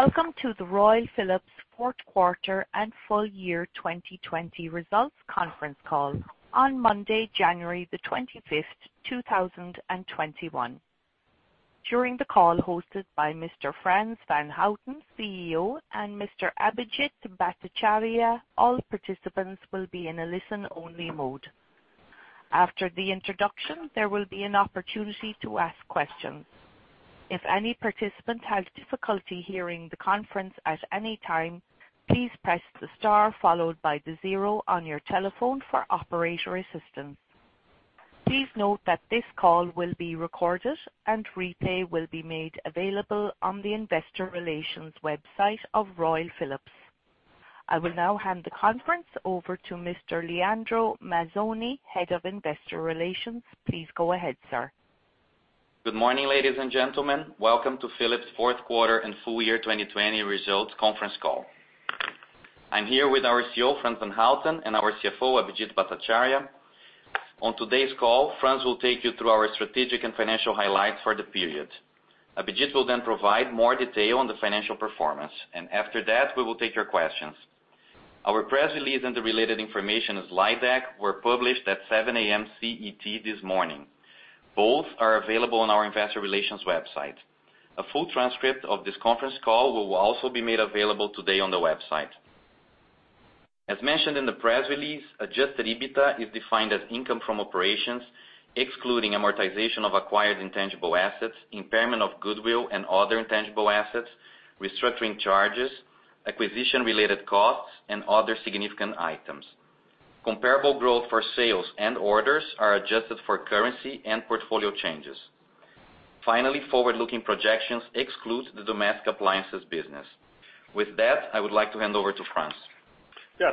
Welcome to the Royal Philips Fourth Quarter and Full Year 2020 Results Conference Call on Monday, January 25th, 2021. During the call hosted by Mr. Frans van Houten, CEO, and Mr. Abhijit Bhattacharya, all participants will be in a listen-only mode. After the introduction, there will be an opportunity to ask questions. If any participant has difficulty hearing the conference at any time, please press the star followed by the zero on your telephone for operator assistance. Please note that this call will be recorded and replay will be made available on the Investor Relations website of Royal Philips. I will now hand the conference over to Mr. Leandro Mazzoni, Head of Investor Relations. Please go ahead, sir. Good morning, ladies and gentlemen. Welcome to Philips' fourth quarter and full year 2020 results conference call. I am here with our CEO, Frans van Houten, and our CFO, Abhijit Bhattacharya. On today's call, Frans will take you through our strategic and financial highlights for the period. Abhijit will then provide more detail on the financial performance, and after that, we will take your questions. Our press release and the related information, as slide deck, were published at 7:00 AM CET this morning. Both are available on our Investor Relations website. A full transcript of this conference call will also be made available today on the website. As mentioned in the press release, adjusted EBITA is defined as income from operations, excluding amortization of acquired intangible assets, impairment of goodwill and other intangible assets, restructuring charges, acquisition related costs, and other significant items. Comparable growth for sales and orders are adjusted for currency and portfolio changes. Finally, forward-looking projections exclude the Domestic Appliances business. With that, I would like to hand over to Frans.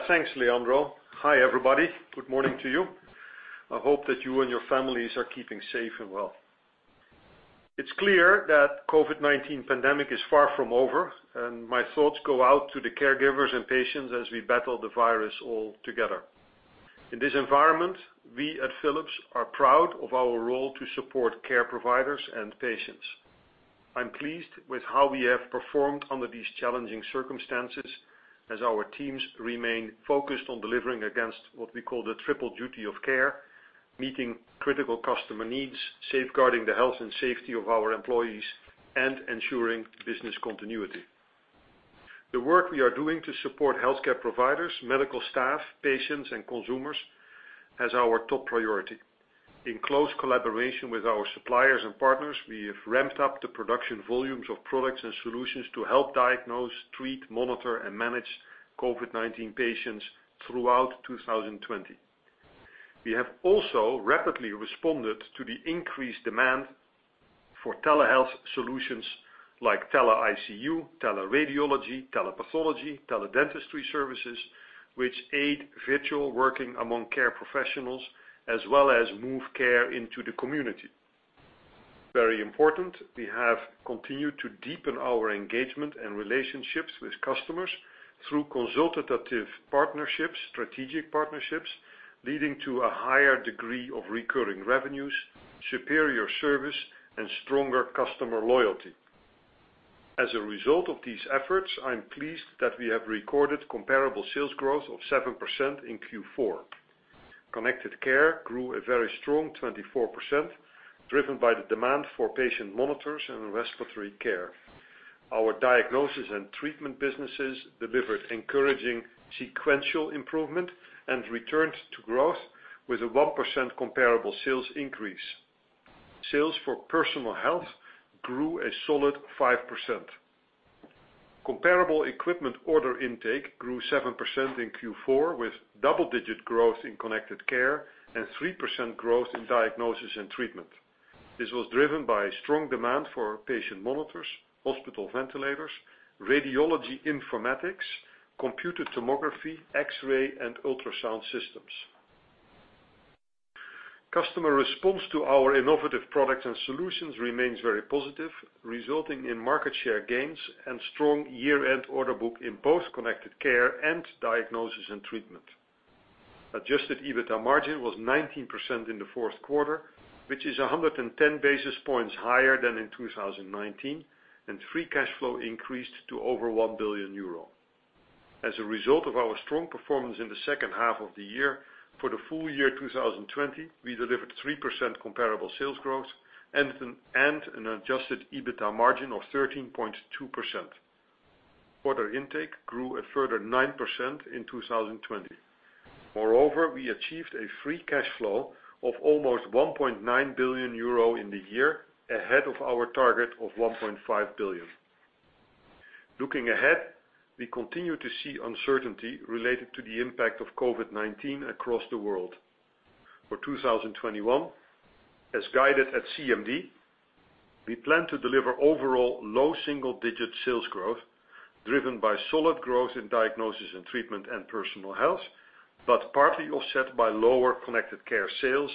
Thanks, Leandro. Hi, everybody. Good morning to you. I hope that you and your families are keeping safe and well. It's clear that COVID-19 pandemic is far from over, and my thoughts go out to the caregivers and patients as we battle the virus all together. In this environment, we at Philips are proud of our role to support care providers and patients. I'm pleased with how we have performed under these challenging circumstances as our teams remain focused on delivering against what we call the triple duty of care, meeting critical customer needs, safeguarding the health and safety of our employees, and ensuring business continuity. The work we are doing to support healthcare providers, medical staff, patients, and consumers, has our top priority. In close collaboration with our suppliers and partners, we have ramped up the production volumes of products and solutions to help diagnose, treat, monitor, and manage COVID-19 patients throughout 2020. We have also rapidly responded to the increased demand for telehealth solutions like tele-ICU, tele-radiology, tele-pathology, tele-dentistry services, which aid virtual working among care professionals as well as move care into the community. Very important, we have continued to deepen our engagement and relationships with customers through consultative partnerships, strategic partnerships, leading to a higher degree of recurring revenues, superior service, and stronger customer loyalty. As a result of these efforts, I'm pleased that we have recorded comparable sales growth of 7% in Q4. Connected Care grew a very strong 24%, driven by the demand for patient monitors and respiratory care. Our Domestic Appliances businesses delivered encouraging sequential improvement and returned to growth with a 1% comparable sales increase. Sales for Personal Health grew a solid 5%. Comparable equipment order intake grew 7% in Q4, with double-digit growth in Connected Care and 3% growth in Diagnosis & Treatment. This was driven by strong demand for patient monitors, hospital ventilators, radiology informatics, computer tomography, X-ray, and ultrasound systems. Customer response to our innovative products and solutions remains very positive, resulting in market share gains and strong year-end order book in both Connected Care and Diagnosis & Treatment. Adjusted EBITDA margin was 19% in the fourth quarter, which is 110 basis points higher than in 2019, and free cash flow increased to over 1 billion euro. As a result of our strong performance in the second half of the year, for the full year 2020, we delivered 3% comparable sales growth and an adjusted EBITA margin of 13.2%. Order intake grew a further 9% in 2020. Moreover, we achieved a free cash flow of almost 1.9 billion euro in the year, ahead of our target of 1.5 billion. Looking ahead, we continue to see uncertainty related to the impact of COVID-19 across the world. For 2021, as guided at CMD, we plan to deliver overall low single-digit sales growth driven by solid growth in Diagnosis & Treatment and Personal Health, but partly offset by lower Connected Care sales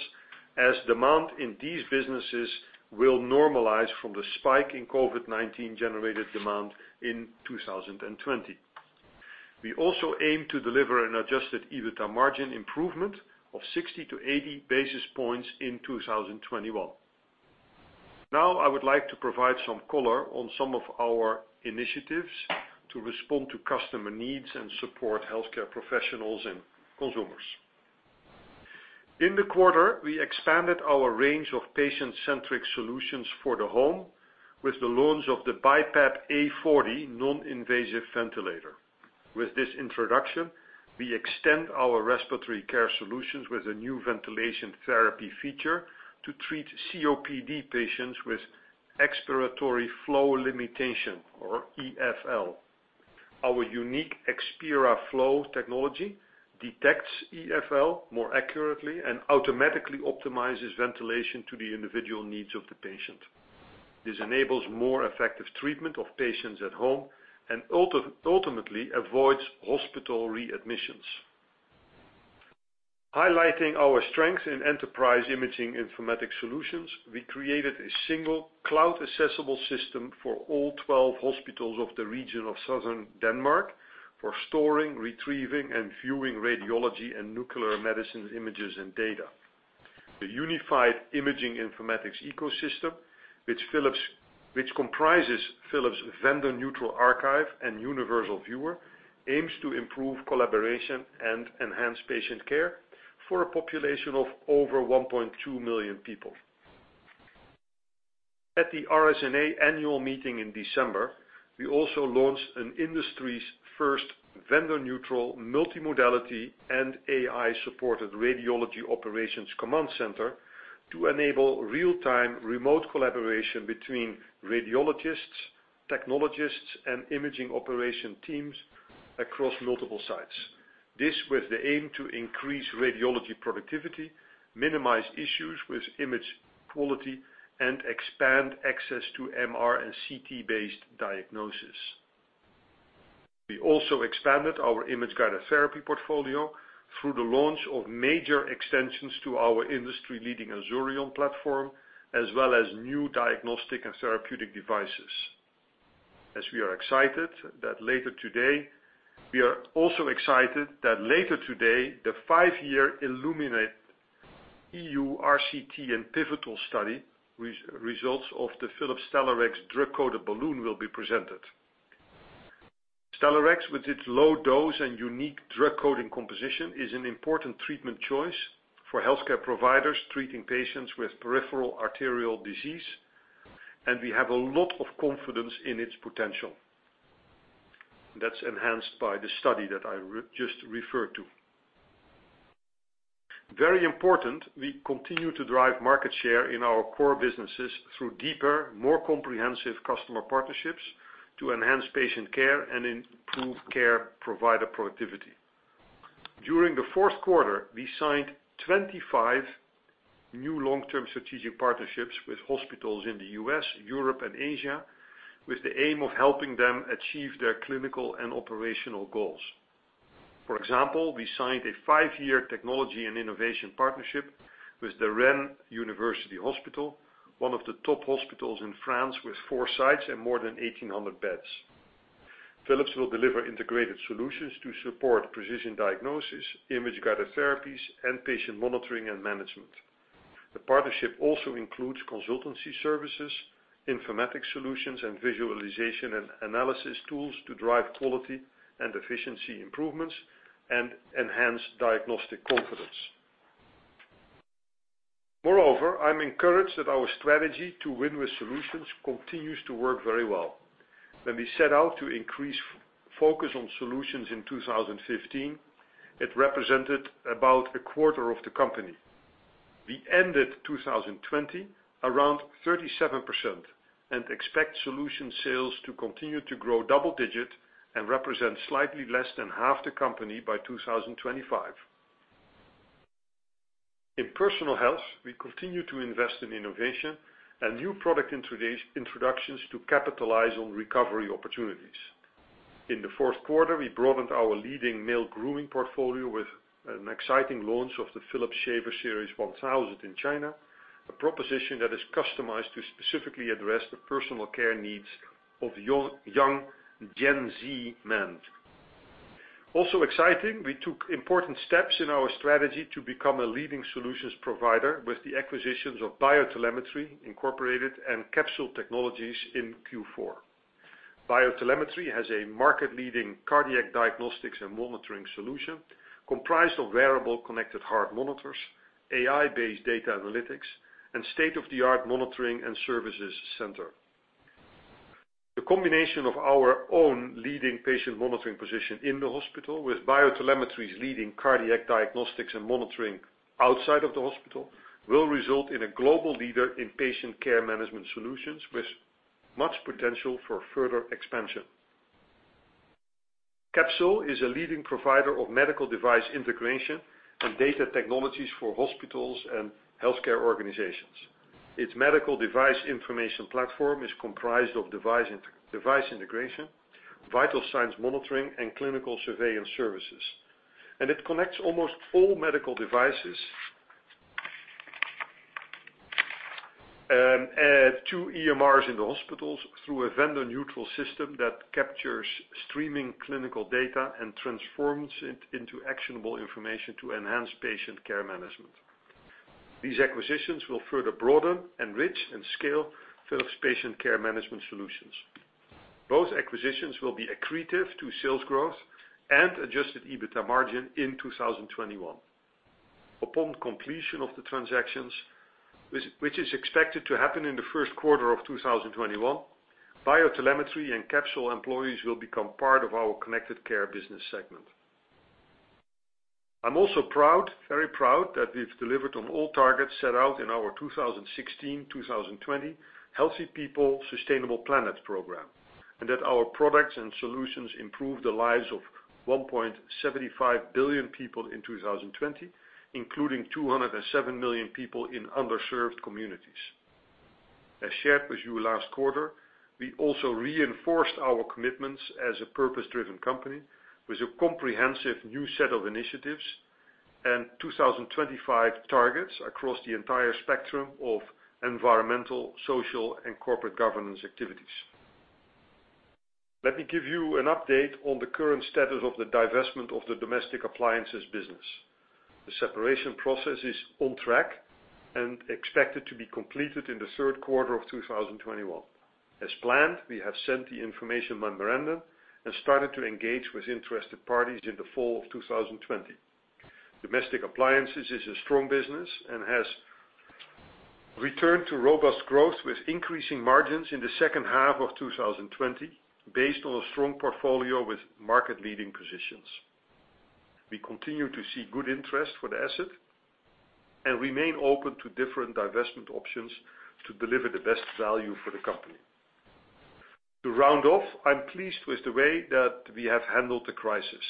as demand in these businesses will normalize from the spike in COVID-19 generated demand in 2020. We also aim to deliver an adjusted EBITA margin improvement of 60 basis points to 80 basis points in 2021. Now, I would like to provide some color on some of our initiatives to respond to customer needs and support healthcare professionals and consumers. In the quarter, we expanded our range of patient-centric solutions for the home with the launch of the BiPAP A40 non-invasive ventilator. With this introduction, we extend our respiratory care solutions with a new ventilation therapy feature to treat COPD patients with expiratory flow limitation or EFL. Our unique ExpiraFlow technology detects EFL more accurately and automatically optimizes ventilation to the individual needs of the patient. This enables more effective treatment of patients at home and ultimately avoids hospital readmissions. Highlighting our strength in enterprise imaging informatics solutions, we created a single cloud-accessible system for all 12 hospitals of the region of Southern Denmark for storing, retrieving, and viewing radiology and nuclear medicine images and data. The unified imaging informatics ecosystem, which comprises Philips' vendor-neutral archive and Universal Viewer, aims to improve collaboration and enhance patient care for a population of over 1.2 million people. At the RSNA annual meeting in December, we also launched an industry's first vendor-neutral multimodality and AI-supported Radiology Operations Command Center to enable real-time remote collaboration between radiologists, technologists, and imaging operation teams across multiple sites. This with the aim to increase radiology productivity, minimize issues with image quality, and expand access to MR and CT-based diagnosis. We also expanded our Image-Guided Therapy portfolio through the launch of major extensions to our industry-leading Azurion platform, as well as new diagnostic and therapeutic devices. We are also excited that later today, the five-year ILLUMENATE EU RCT and pivotal study results of the Philips Stellarex drug-coated balloon will be presented. Stellarex, with its low dose and unique drug coating composition, is an important treatment choice for healthcare providers treating patients with peripheral arterial disease, and we have a lot of confidence in its potential. That's enhanced by the study that I just referred to. Very important, we continue to drive market share in our core businesses through deeper, more comprehensive customer partnerships to enhance patient care and improve care provider productivity. During the fourth quarter, we signed 25 new long-term strategic partnerships with hospitals in the U.S., Europe, and Asia, with the aim of helping them achieve their clinical and operational goals. For example, we signed a five-year technology and innovation partnership with the Rennes University Hospital, one of the top hospitals in France with four sites and more than 1,800 beds. Philips will deliver integrated solutions to support Precision Diagnosis, Image-Guided Therapies, and patient monitoring and management. The partnership also includes consultancy services, informatics solutions, and visualization and analysis tools to drive quality and efficiency improvements and enhance diagnostic confidence. Moreover, I'm encouraged that our strategy to win with solutions continues to work very well. When we set out to increase focus on solutions in 2015, it represented about a quarter of the company. We ended 2020 around 37% and expect solution sales to continue to grow double digit and represent slightly less than half the company by 2025. In Personal Health, we continue to invest in innovation and new product introductions to capitalize on recovery opportunities. In the fourth quarter, we broadened our leading male grooming portfolio with an exciting launch of the Philips Shaver Series 1000 in China, a proposition that is customized to specifically address the personal care needs of young Gen Z men. Also exciting, we took important steps in our strategy to become a leading solutions provider with the acquisitions of BioTelemetry, Inc. and Capsule Technologies in Q4. BioTelemetry has a market-leading cardiac diagnostics and monitoring solution comprised of wearable connected heart monitors, AI-based data analytics, and state-of-the-art monitoring and services center. The combination of our own leading patient monitoring position in the hospital with BioTelemetry's leading cardiac diagnostics and monitoring outside of the hospital will result in a global leader in patient care management solutions with much potential for further expansion. Capsule is a leading provider of medical device integration and data technologies for hospitals and healthcare organizations. Its medical device information platform is comprised of device integration, vital signs monitoring, and clinical surveillance services. It connects almost all medical devices to EMRs in the hospitals through a vendor-neutral system that captures streaming clinical data and transforms it into actionable information to enhance patient care management. These acquisitions will further broaden, enrich, and scale Philips patient care management solutions. Both acquisitions will be accretive to sales growth and adjusted EBITA margin in 2021. Upon completion of the transactions, which is expected to happen in the first quarter of 2021, BioTelemetry and Capsule employees will become part of our Connected Care business segment. I'm also very proud that we've delivered on all targets set out in our 2016-2020 Healthy people, Sustainable planet program, and that our products and solutions improved the lives of 1.75 billion people in 2020, including 207 million people in underserved communities. As shared with you last quarter, we also reinforced our commitments as a purpose-driven company with a comprehensive new set of initiatives and 2025 targets across the entire spectrum of environmental, social, and corporate governance activities. Let me give you an update on the current status of the divestment of the Domestic Appliances business. The separation process is on track and expected to be completed in the third quarter of 2021. As planned, we have sent the information memorandum and started to engage with interested parties in the fall of 2020. Domestic Appliances is a strong business and has returned to robust growth with increasing margins in the second half of 2020, based on a strong portfolio with market-leading positions. We continue to see good interest for the asset and remain open to different divestment options to deliver the best value for the company. To round off, I'm pleased with the way that we have handled the crisis.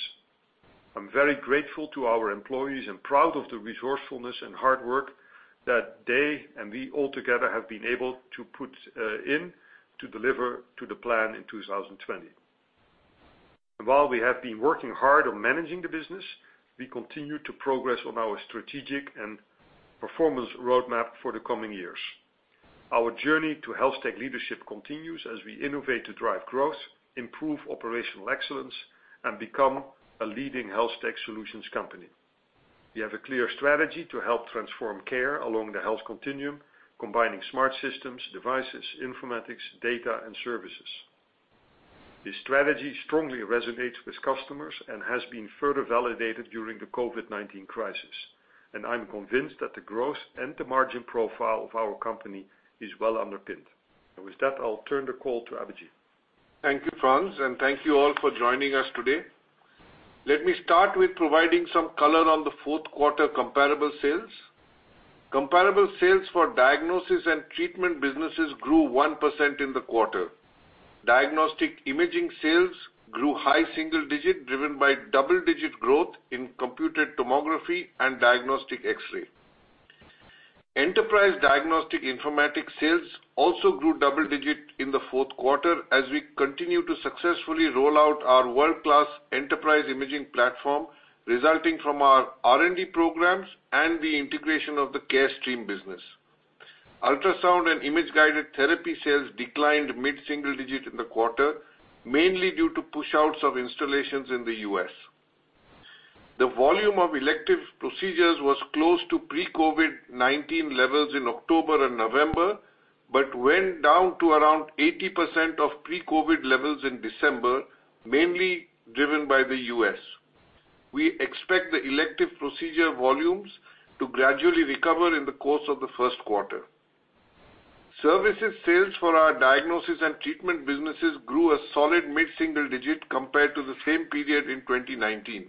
I'm very grateful to our employees and proud of the resourcefulness and hard work that they, and we all together, have been able to put in to deliver to the plan in 2020. While we have been working hard on managing the business, we continue to progress on our strategic and performance roadmap for the coming years. Our journey to HealthTech leadership continues as we innovate to drive growth, improve operational excellence, and become a leading HealthTech solutions company. We have a clear strategy to help transform care along the health continuum, combining smart systems, devices, informatics, data, and services. This strategy strongly resonates with customers and has been further validated during the COVID-19 crisis. I'm convinced that the growth and the margin profile of our company is well underpinned. With that, I'll turn the call to Abhijit. Thank you, Frans, and thank you all for joining us today. Let me start with providing some color on the fourth quarter comparable sales. Comparable sales for Diagnosis & Treatment businesses grew 1% in the quarter. Diagnostic Imaging sales grew high single digit, driven by double-digit growth in computed tomography and diagnostic X-ray. Enterprise Diagnostic Informatics sales also grew double digit in the fourth quarter as we continue to successfully roll out our world-class enterprise imaging platform, resulting from our R&D programs and the integration of the Carestream business. Ultrasound and Image-Guided Therapy sales declined mid-single digit in the quarter, mainly due to pushouts of installations in the U.S. The volume of elective procedures was close to pre-COVID-19 levels in October and November, but went down to around 80% of pre-COVID levels in December, mainly driven by the U.S. We expect the elective procedure volumes to gradually recover in the course of the first quarter. Services sales for our Diagnosis & Treatment businesses grew a solid mid-single-digit compared to the same period in 2019.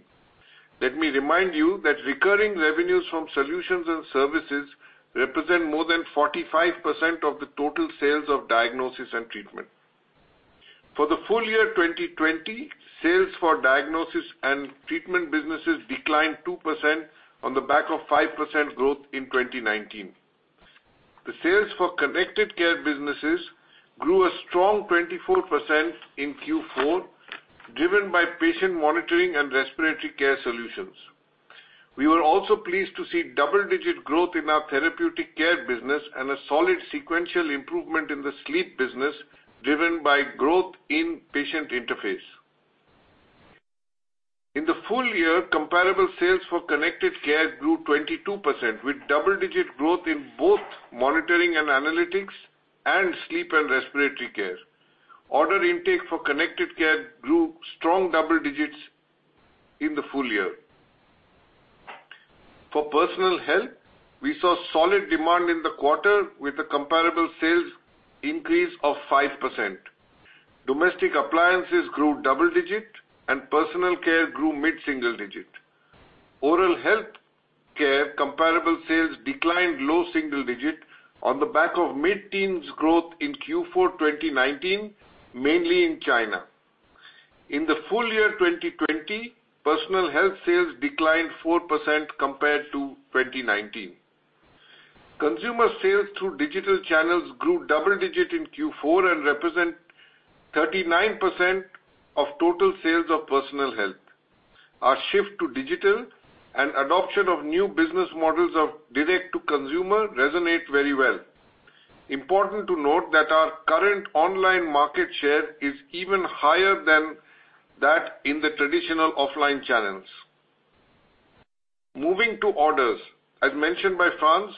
Let me remind you that recurring revenues from solutions and services represent more than 45% of the total sales of Diagnosis & Treatment. For the full year 2020, sales for Diagnosis & Treatment businesses declined 2% on the back of 5% growth in 2019. The sales for Connected Care businesses grew a strong 24% in Q4, driven by patient monitoring and respiratory care solutions. We were also pleased to see double-digit growth in our Therapeutic Care business and a solid sequential improvement in the sleep business, driven by growth in patient interface. In the full year, comparable sales for Connected Care grew 22%, with double-digit growth in both Monitoring & Analytics and Sleep & Respiratory Care. Order intake for Connected Care grew strong double digits in the full year. For Personal Health, we saw solid demand in the quarter with a comparable sales increase of 5%. Domestic Appliances grew double digit and personal care grew mid-single digit. Oral Healthcare comparable sales declined low single digit on the back of mid-teens growth in Q4 2019, mainly in China. In the full year 2020, Personal Health sales declined 4% compared to 2019. Consumer sales through digital channels grew double digit in Q4 and represent 39% of total sales of Personal Health. Our shift to digital and adoption of new business models of direct-to-consumer resonate very well. Important to note that our current online market share is even higher than that in the traditional offline channels. Moving to orders. As mentioned by Frans,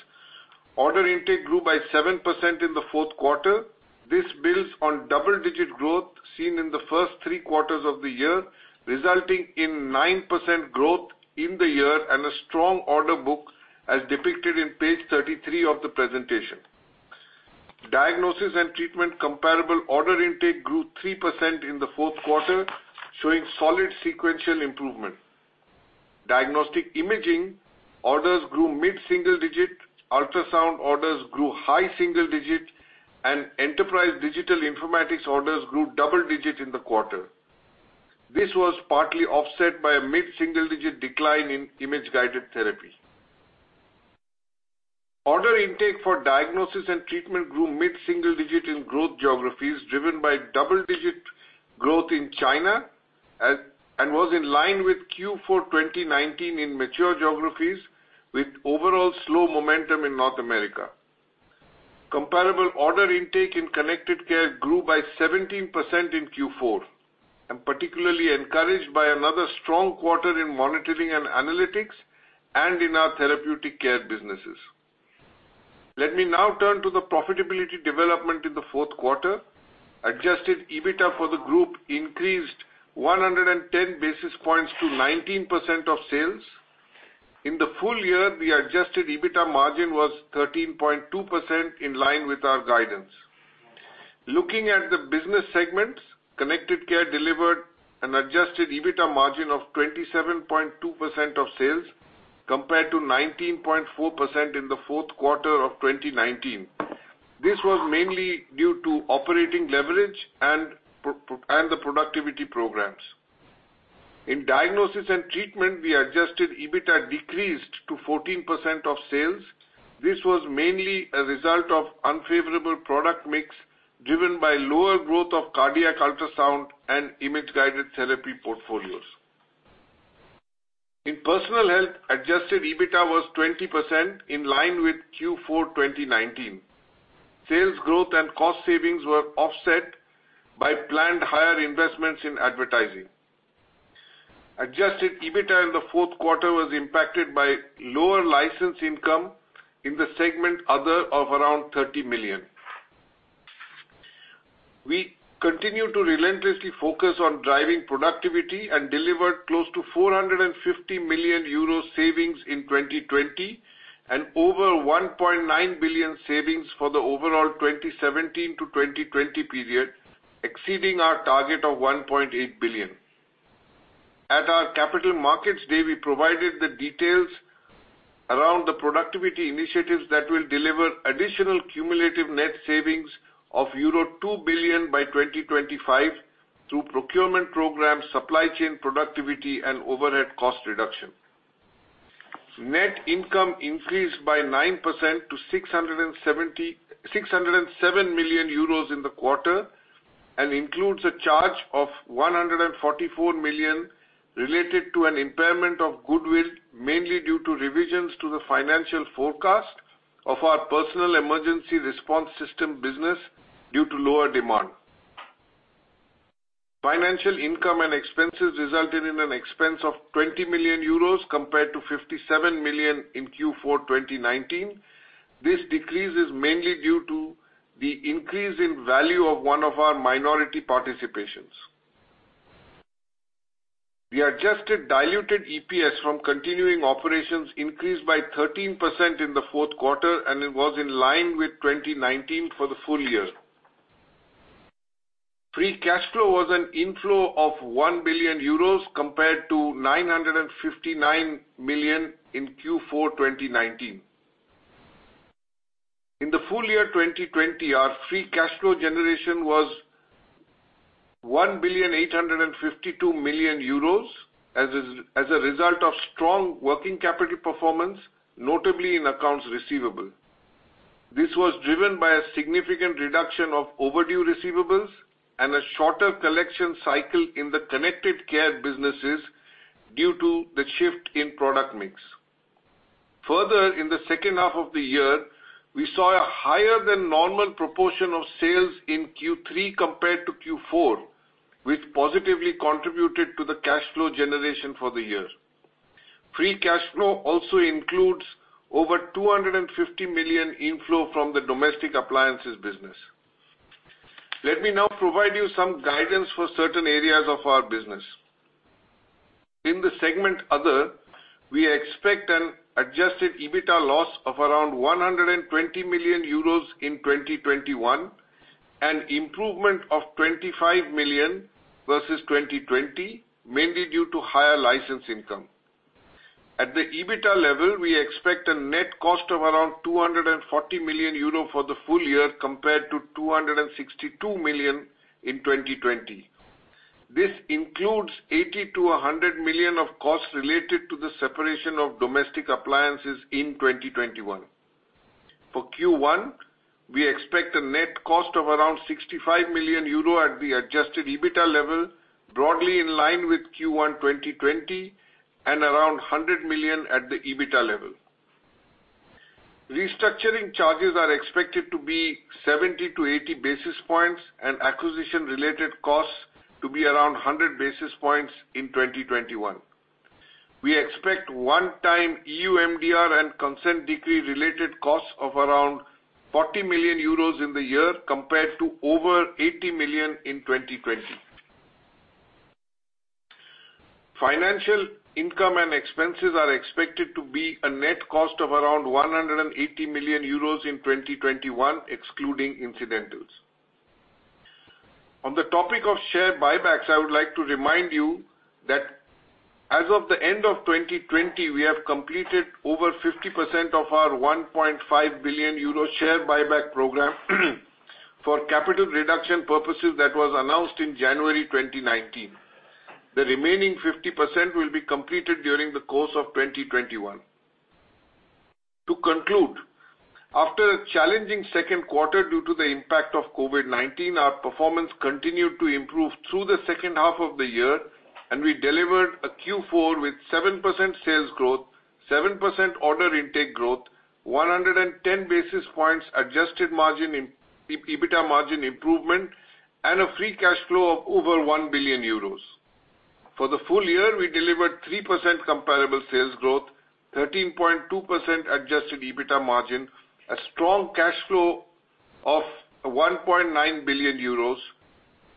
order intake grew by 7% in the fourth quarter. This builds on double-digit growth seen in the first three quarters of the year, resulting in 9% growth in the year and a strong order book as depicted on page 33 of the presentation. Diagnosis & Treatment comparable order intake grew 3% in the fourth quarter, showing solid sequential improvement. Diagnostic Imaging orders grew mid-single digit, Ultrasound orders grew high single digit, and enterprise digital informatics orders grew double digit in the quarter. This was partly offset by a mid-single-digit decline in Image-Guided Therapy. Order intake for Diagnosis & Treatment grew mid-single digit in growth geographies, driven by double-digit growth in China, and was in line with Q4 2019 in mature geographies, with overall slow momentum in North America. Comparable order intake in Connected Care grew by 17% in Q4. I'm particularly encouraged by another strong quarter in Monitoring & Analytics and in our Therapeutic Care businesses. Let me now turn to the profitability development in the fourth quarter. Adjusted EBITA for the group increased 110 basis points to 19% of sales. In the full year, the adjusted EBITA margin was 13.2%, in line with our guidance. Looking at the business segments, Connected Care delivered an adjusted EBITA margin of 27.2% of sales, compared to 19.4% in the fourth quarter of 2019. This was mainly due to operating leverage and the productivity programs. In Diagnosis & Treatment, the adjusted EBITA decreased to 14% of sales. This was mainly a result of unfavorable product mix, driven by lower growth of cardiac ultrasound and Image-Guided Therapy portfolios. In Personal Health, adjusted EBITA was 20%, in line with Q4 2019. Sales growth and cost savings were offset by planned higher investments in advertising. Adjusted EBITA in the fourth quarter was impacted by lower license income in the segment Other of around 30 million. We continue to relentlessly focus on driving productivity and delivered close to 450 million euro savings in 2020 and over 1.9 billion savings for the overall 2017 to 2020 period, exceeding our target of 1.8 billion. At our Capital Markets Day, we provided the details around the productivity initiatives that will deliver additional cumulative net savings of euro 2 billion by 2025 through procurement programs, supply chain productivity, and overhead cost reduction. Net income increased by 9% to 607 million euros in the quarter and includes a charge of 144 million related to an impairment of goodwill, mainly due to revisions to the financial forecast of our personal emergency response system business due to lower demand. Financial income and expenses resulted in an expense of 20 million euros, compared to 57 million in Q4 2019. This decrease is mainly due to the increase in value of one of our minority participations. The adjusted diluted EPS from continuing operations increased by 13% in the fourth quarter, and it was in line with 2019 for the full year. Free cash flow was an inflow of 1 billion euros compared to 959 million in Q4 2019. In the full year 2020, our free cash flow generation was 1.852 billion euros as a result of strong working capital performance, notably in accounts receivable. This was driven by a significant reduction of overdue receivables and a shorter collection cycle in the Connected Care businesses due to the shift in product mix. In the second half of the year, we saw a higher than normal proportion of sales in Q3 compared to Q4, which positively contributed to the cash flow generation for the year. Free cash flow also includes over 250 million inflow from the Domestic Appliances business. Let me now provide you some guidance for certain areas of our business. In the segment Other, we expect an adjusted EBITA loss of around 120 million euros in 2021, an improvement of 25 million versus 2020, mainly due to higher license income. At the EBITA level, we expect a net cost of around 240 million euro for the full year, compared to 262 million in 2020. This includes 80 million-100 million of costs related to the separation of Domestic Appliances in 2021. For Q1, we expect a net cost of around 65 million euro at the adjusted EBITA level. Broadly in line with Q1 2020 and around 100 million at the EBITDA level. Restructuring charges are expected to be 70 basis points to 80 basis points and acquisition-related costs to be around 100 basis points in 2021. We expect one-time EU MDR and consent decree-related costs of around 40 million euros in the year, compared to over 80 million in 2020. Financial income and expenses are expected to be a net cost of around 180 million euros in 2021, excluding incidentals. On the topic of share buybacks, I would like to remind you that as of the end of 2020, we have completed over 50% of our 1.5 billion euro share buyback program for capital reduction purposes that was announced in January 2019. The remaining 50% will be completed during the course of 2021. To conclude, after a challenging second quarter due to the impact of COVID-19, our performance continued to improve through the second half of the year, and we delivered a Q4 with 7% sales growth, 7% order intake growth, 110 basis points adjusted EBITDA margin improvement, and a free cash flow of over 1 billion euros. For the full year, we delivered 3% comparable sales growth, 13.2% adjusted EBITDA margin, a strong cash flow of 1.9 billion euros.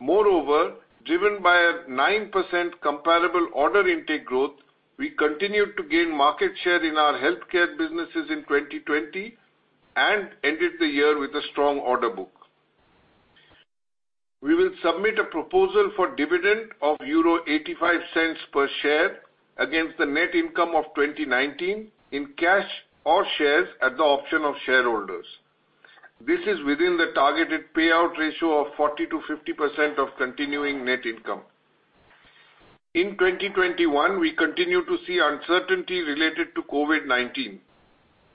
Moreover, driven by a 9% comparable order intake growth, we continued to gain market share in our healthcare businesses in 2020, and ended the year with a strong order book. We will submit a proposal for dividend of 0.85 per share against the net income of 2019 in cash or shares at the option of shareholders. This is within the targeted payout ratio of 40%-50% of continuing net income. In 2021, we continue to see uncertainty related to COVID-19.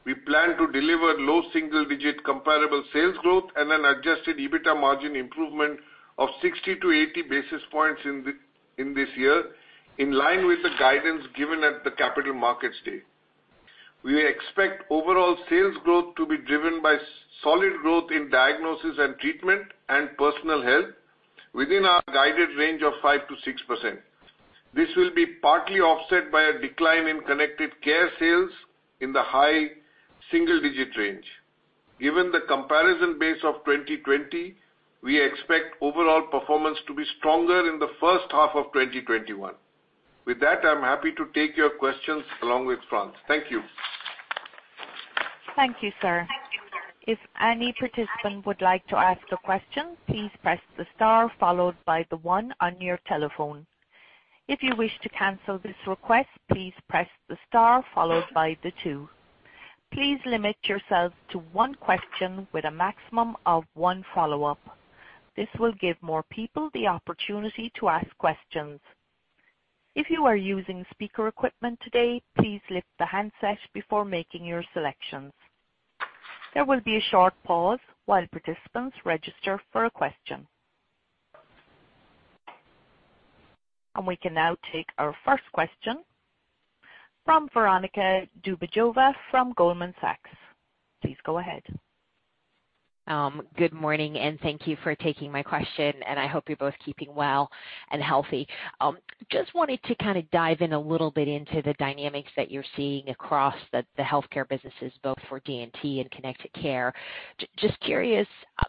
We plan to deliver low single-digit comparable sales growth and an adjusted EBITDA margin improvement of 60-80 basis points in this year, in line with the guidance given at the Capital Markets Day. We expect overall sales growth to be driven by solid growth in Diagnosis & Treatment and Personal Health within our guided range of 5%-6%. This will be partly offset by a decline in Connected Care sales in the high single-digit range. Given the comparison base of 2020, we expect overall performance to be stronger in the first half of 2021. With that, I am happy to take your questions along with Frans. Thank you. Thank you, sir. If any participant would like to ask a question, please press the star followed by the one on your telephone. If you wish to cancel this request, please press the star followed by the two. Please limit yourselves to one question with a maximum of one follow up. This will give more people the opportunity to ask questions. If you are using speaker equipment today, please lift the handset before making your selections. There will be a short pause while participants. We can now take our first question from Veronika Dubajova from Goldman Sachs. Please go ahead. Good morning and thank you for taking my question, and I hope you're both keeping well and healthy. Just wanted to kind of dive in a little bit into the dynamics that you're seeing across the healthcare businesses, both for D&T and Connected Care. Just curious, Frans,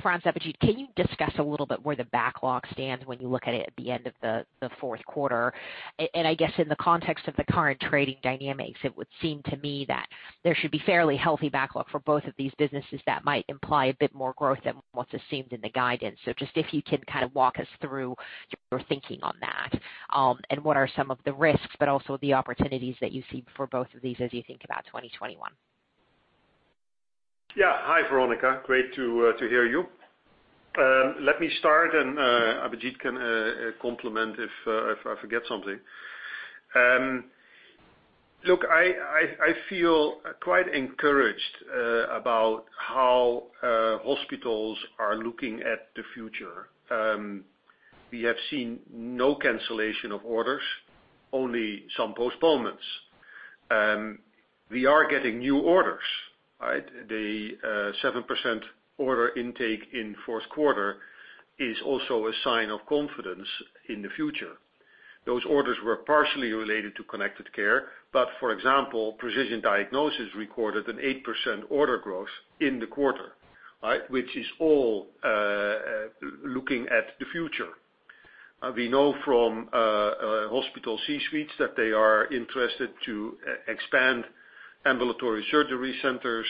Abhijit, can you discuss a little bit where the backlog stands when you look at it at the end of the fourth quarter? I guess in the context of the current trading dynamics, it would seem to me that there should be fairly healthy backlog for both of these businesses that might imply a bit more growth than what is seemed in the guidance. Just if you can kind of walk us through your thinking on that. What are some of the risks, but also the opportunities that you see for both of these as you think about 2021? Hi, Veronika. Great to hear you. Let me start and Abhijit can complement if I forget something. Look, I feel quite encouraged about how hospitals are looking at the future. We have seen no cancellation of orders, only some postponements. We are getting new orders. The 7% order intake in the fourth quarter is also a sign of confidence in the future. Those orders were partially related to Connected Care. For example, Precision Diagnosis recorded an 8% order growth in the quarter. Which is all looking at the future. We know from hospital C-suites that they are interested to expand ambulatory surgery centers,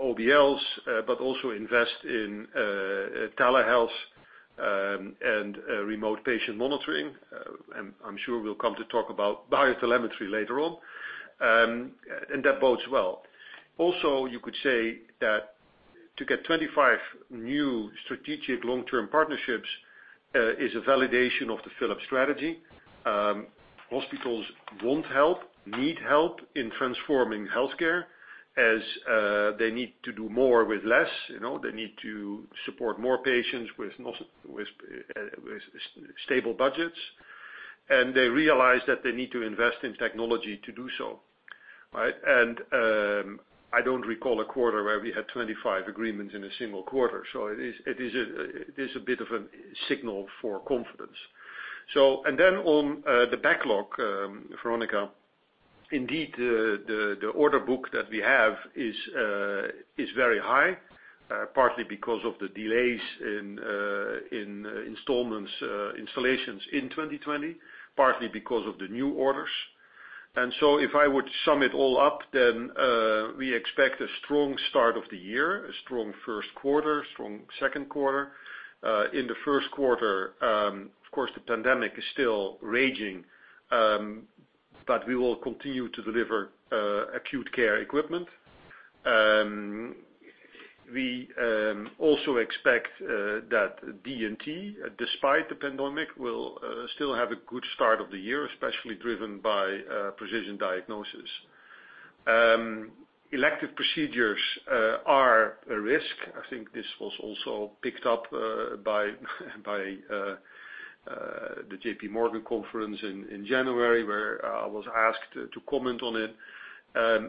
OBLs, but also invest in telehealth, and remote patient monitoring. I'm sure we'll come to talk about BioTelemetry later on. That bodes well. You could say that to get 25 new strategic long-term partnerships, is a validation of the Philips strategy. Hospitals want help, need help in transforming healthcare as they need to do more with less. They need to support more patients with stable budgets. They realize that they need to invest in technology to do so. I don't recall a quarter where we had 25 agreements in a single quarter. It is a bit of a signal for confidence. On the backlog, Veronika, indeed, the order book that we have is very high, partly because of the delays in installments, installations in 2020, partly because of the new orders. If I were to sum it all up, we expect a strong start of the year, a strong first quarter, strong second quarter. In the first quarter, of course, the pandemic is still raging, but we will continue to deliver acute care equipment. We also expect that D&T, despite the pandemic, will still have a good start of the year, especially driven by Precision Diagnosis. Elective procedures are a risk. I think this was also picked up by the JPMorgan conference in January, where I was asked to comment on it.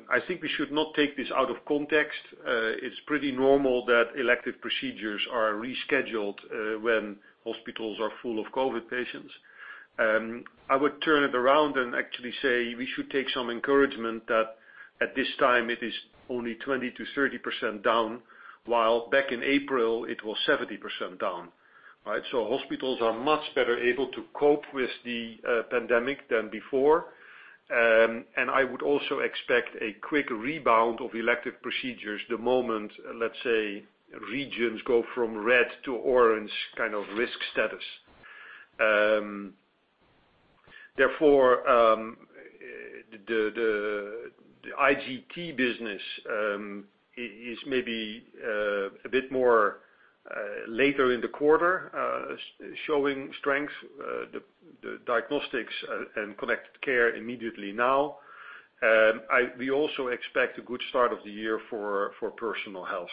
I think we should not take this out of context. It's pretty normal that elective procedures are rescheduled when hospitals are full of COVID patients. I would turn it around and actually say we should take some encouragement that at this time it is only 20%-30% down, while back in April it was 70% down. Hospitals are much better able to cope with the pandemic than before. I would also expect a quick rebound of elective procedures the moment, let's say, regions go from red to orange risk status. The IGT business is maybe a bit more later in the quarter, showing strength, the diagnostics and Connected Care immediately now. We also expect a good start of the year for Personal Health.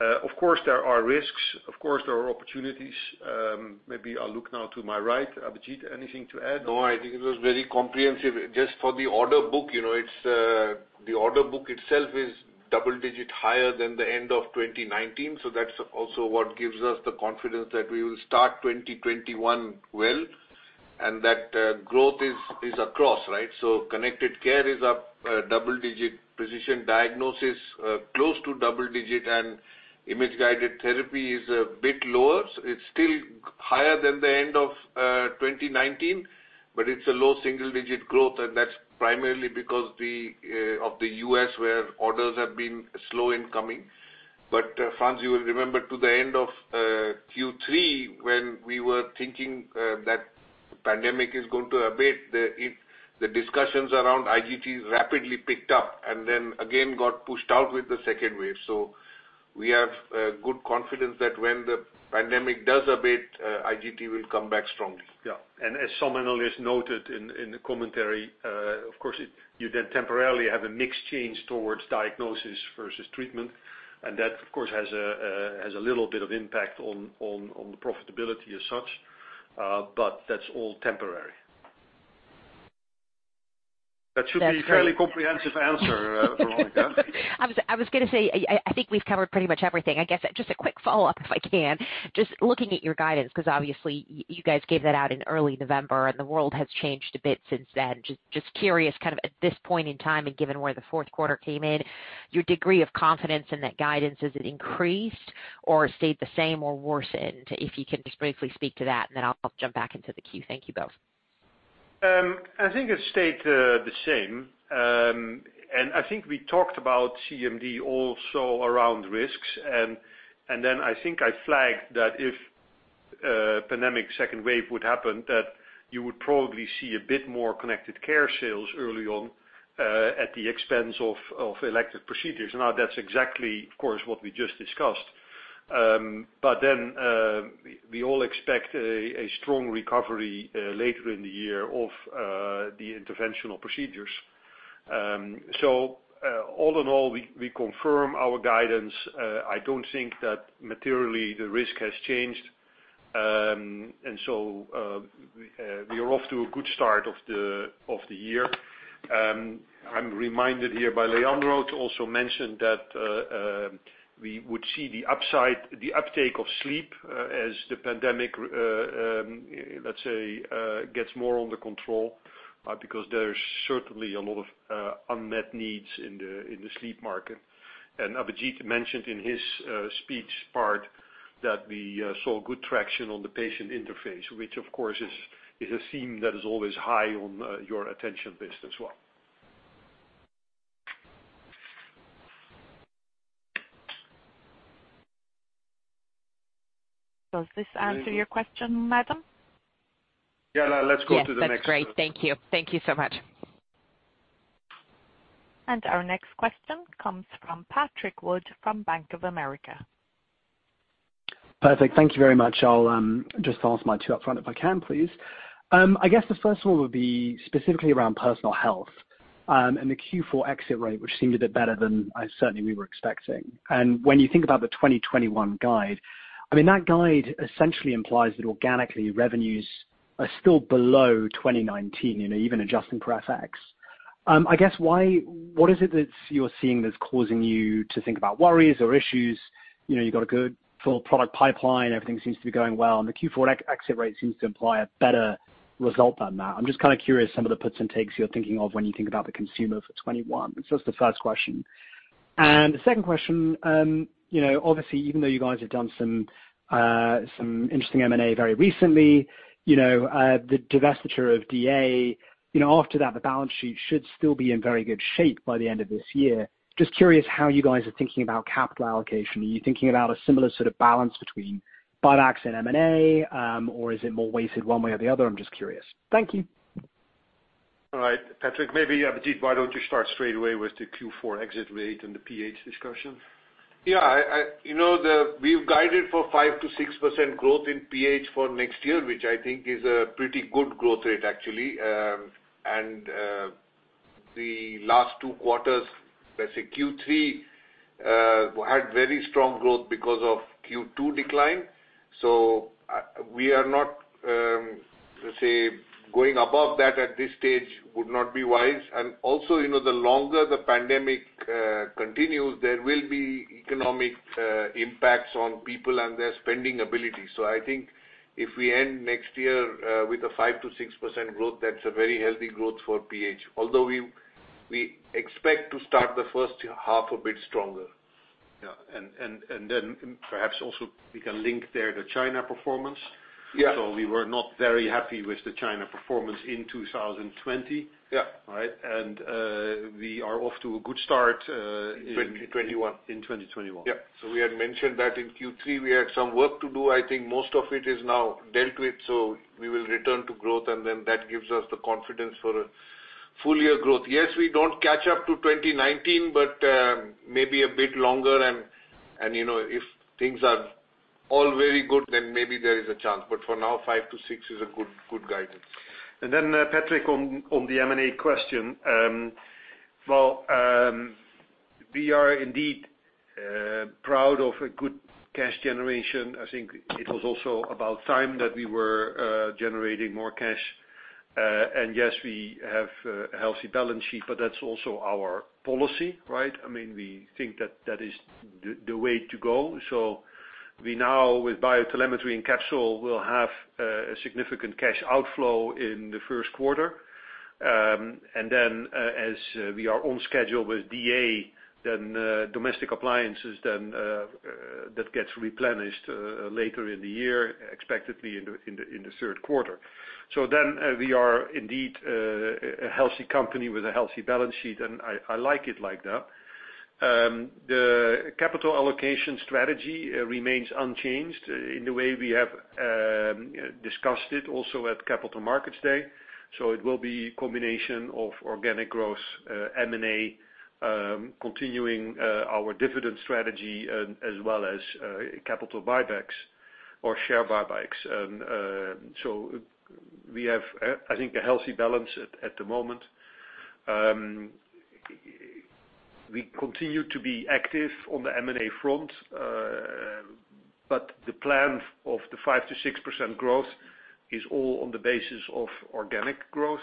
Of course, there are risks. Of course, there are opportunities. Maybe I'll look now to my right. Abhijit, anything to add? No, I think it was very comprehensive. Just for the order book, the order book itself is double-digit higher than the end of 2019. That's also what gives us the confidence that we will start 2021 well, and that growth is across. Connected Care is up double-digit. Precision Diagnosis, close to double-digit, and Image-Guided Therapy is a bit lower. It's still higher than the end of 2019, but it's a low single-digit growth, and that's primarily because of the U.S., where orders have been slow in coming. Frans, you will remember to the end of Q3, when we were thinking that the pandemic is going to abate, the discussions around IGT rapidly picked up, and then again got pushed out with the second wave. We have good confidence that when the pandemic does abate, IGT will come back strongly. Yeah. As some analysts noted in the commentary, of course, you then temporarily have a mix change towards diagnosis versus treatment. That, of course, has a little bit of impact on the profitability as such. That's all temporary. That should be a fairly comprehensive answer, Veronika. I was going to say, I think we've covered pretty much everything. I guess, just a quick follow-up, if I can. Just looking at your guidance, because obviously you guys gave that out in early November, and the world has changed a bit since then. Just curious, at this point in time, and given where the fourth quarter came in, your degree of confidence in that guidance, has it increased or stayed the same or worsened? If you can just briefly speak to that, and then I'll jump back into the queue. Thank you both. I think it stayed the same. I think we talked about CMD also around risks. I think I flagged that if a pandemic second wave would happen, that you would probably see a bit more Connected Care sales early on at the expense of elective procedures. That's exactly, of course, what we just discussed. We all expect a strong recovery later in the year of the interventional procedures. All in all, we confirm our guidance. I don't think that materially the risk has changed. We are off to a good start of the year. I'm reminded here by Leandro to also mention that we would see the uptake of sleep as the pandemic, let's say, gets more under control, because there's certainly a lot of unmet needs in the sleep market. Abhijit mentioned in his speech part that we saw good traction on the patient interface, which, of course, is a theme that is always high on your attention list as well. Does this answer your question, madam? Yeah. Let's go to the next one. Yes. That's great. Thank you. Thank you so much. Our next question comes from Patrick Wood from Bank of America. Perfect. Thank you very much. I'll just ask my two upfront if I can, please. The first one would be specifically around Personal Health, and the Q4 exit rate, which seemed a bit better than certainly we were expecting. When you think about the 2021 guide, that guide essentially implies that organically, revenues are still below 2019, even adjusting for FX. What is it that you're seeing that's causing you to think about worries or issues? You've got a good full product pipeline, everything seems to be going well. The Q4 exit rate seems to imply a better result than that. I'm just kind of curious some of the puts and takes you're thinking of when you think about the consumer for 2021. That's just the first question. The second question, obviously, even though you guys have done some interesting M&A very recently, the divestiture of DA, after that, the balance sheet should still be in very good shape by the end of this year. Just curious how you guys are thinking about capital allocation. Are you thinking about a similar sort of balance between buybacks and M&A, or is it more weighted one way or the other? I'm just curious. Thank you. All right, Patrick, maybe Abhijit, why don't you start straight away with the Q4 exit rate and the PH discussion? Yeah, we've guided for 5%-6% growth in PH for next year, which I think is a pretty good growth rate, actually. The last two quarters, let's say Q3, had very strong growth because of Q2 decline. We are not, say, going above that at this stage would not be wise. The longer the pandemic continues, there will be economic impacts on people and their spending ability. I think if we end next year with a 5%-6% growth, that's a very healthy growth for PH. Although we expect to start the first half a bit stronger. Yeah. Then perhaps also we can link there the China performance. Yeah. We were not very happy with the China performance in 2020. Yeah. Right? We are off to a good start. In 2021 in 2021. Yeah. We had mentioned that in Q3, we had some work to do. I think most of it is now dealt with, so we will return to growth, and then that gives us the confidence for a full year growth. Yes, we don't catch up to 2019, but maybe a bit longer, and if things are all very good, then maybe there is a chance. For now, 5%-6% is a good guidance. Patrick, on the M&A question. We are indeed proud of a good cash generation. I think it was also about time that we were generating more cash. We have a healthy balance sheet, but that's also our policy, right? We think that is the way to go. We now, with BioTelemetry and Capsule, will have a significant cash outflow in the first quarter. As we are on schedule with DA, then Domestic Appliances, then that gets replenished later in the year, expectedly in the third quarter. We are indeed a healthy company with a healthy balance sheet, and I like it like that. The capital allocation strategy remains unchanged in the way we have discussed it also at Capital Markets Day. It will be a combination of organic growth, M&A, continuing our dividend strategy, as well as capital buybacks or share buybacks. We have, I think, a healthy balance at the moment. We continue to be active on the M&A front, but the plan of the 5%-6% growth is all on the basis of organic growth.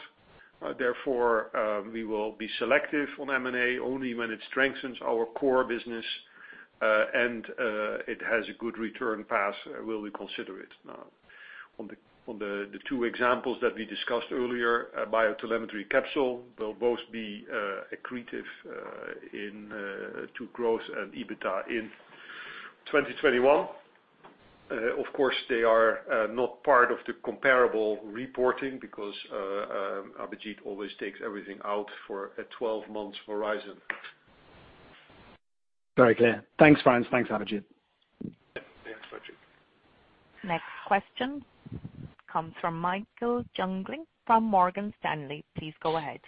Therefore, we will be selective on M&A. Only when it strengthens our core business and it has a good return path will we consider it. On the two examples that we discussed earlier, BioTelemetry Capsule, they'll both be accretive to growth and EBITA in 2021. Of course, they are not part of the comparable reporting because Abhijit always takes everything out for a 12 months horizon. Very clear. Thanks, Frans. Thanks, Abhijit. Yeah. Thanks, Patrick. Next question comes from Michael Jungling from Morgan Stanley. Please go ahead.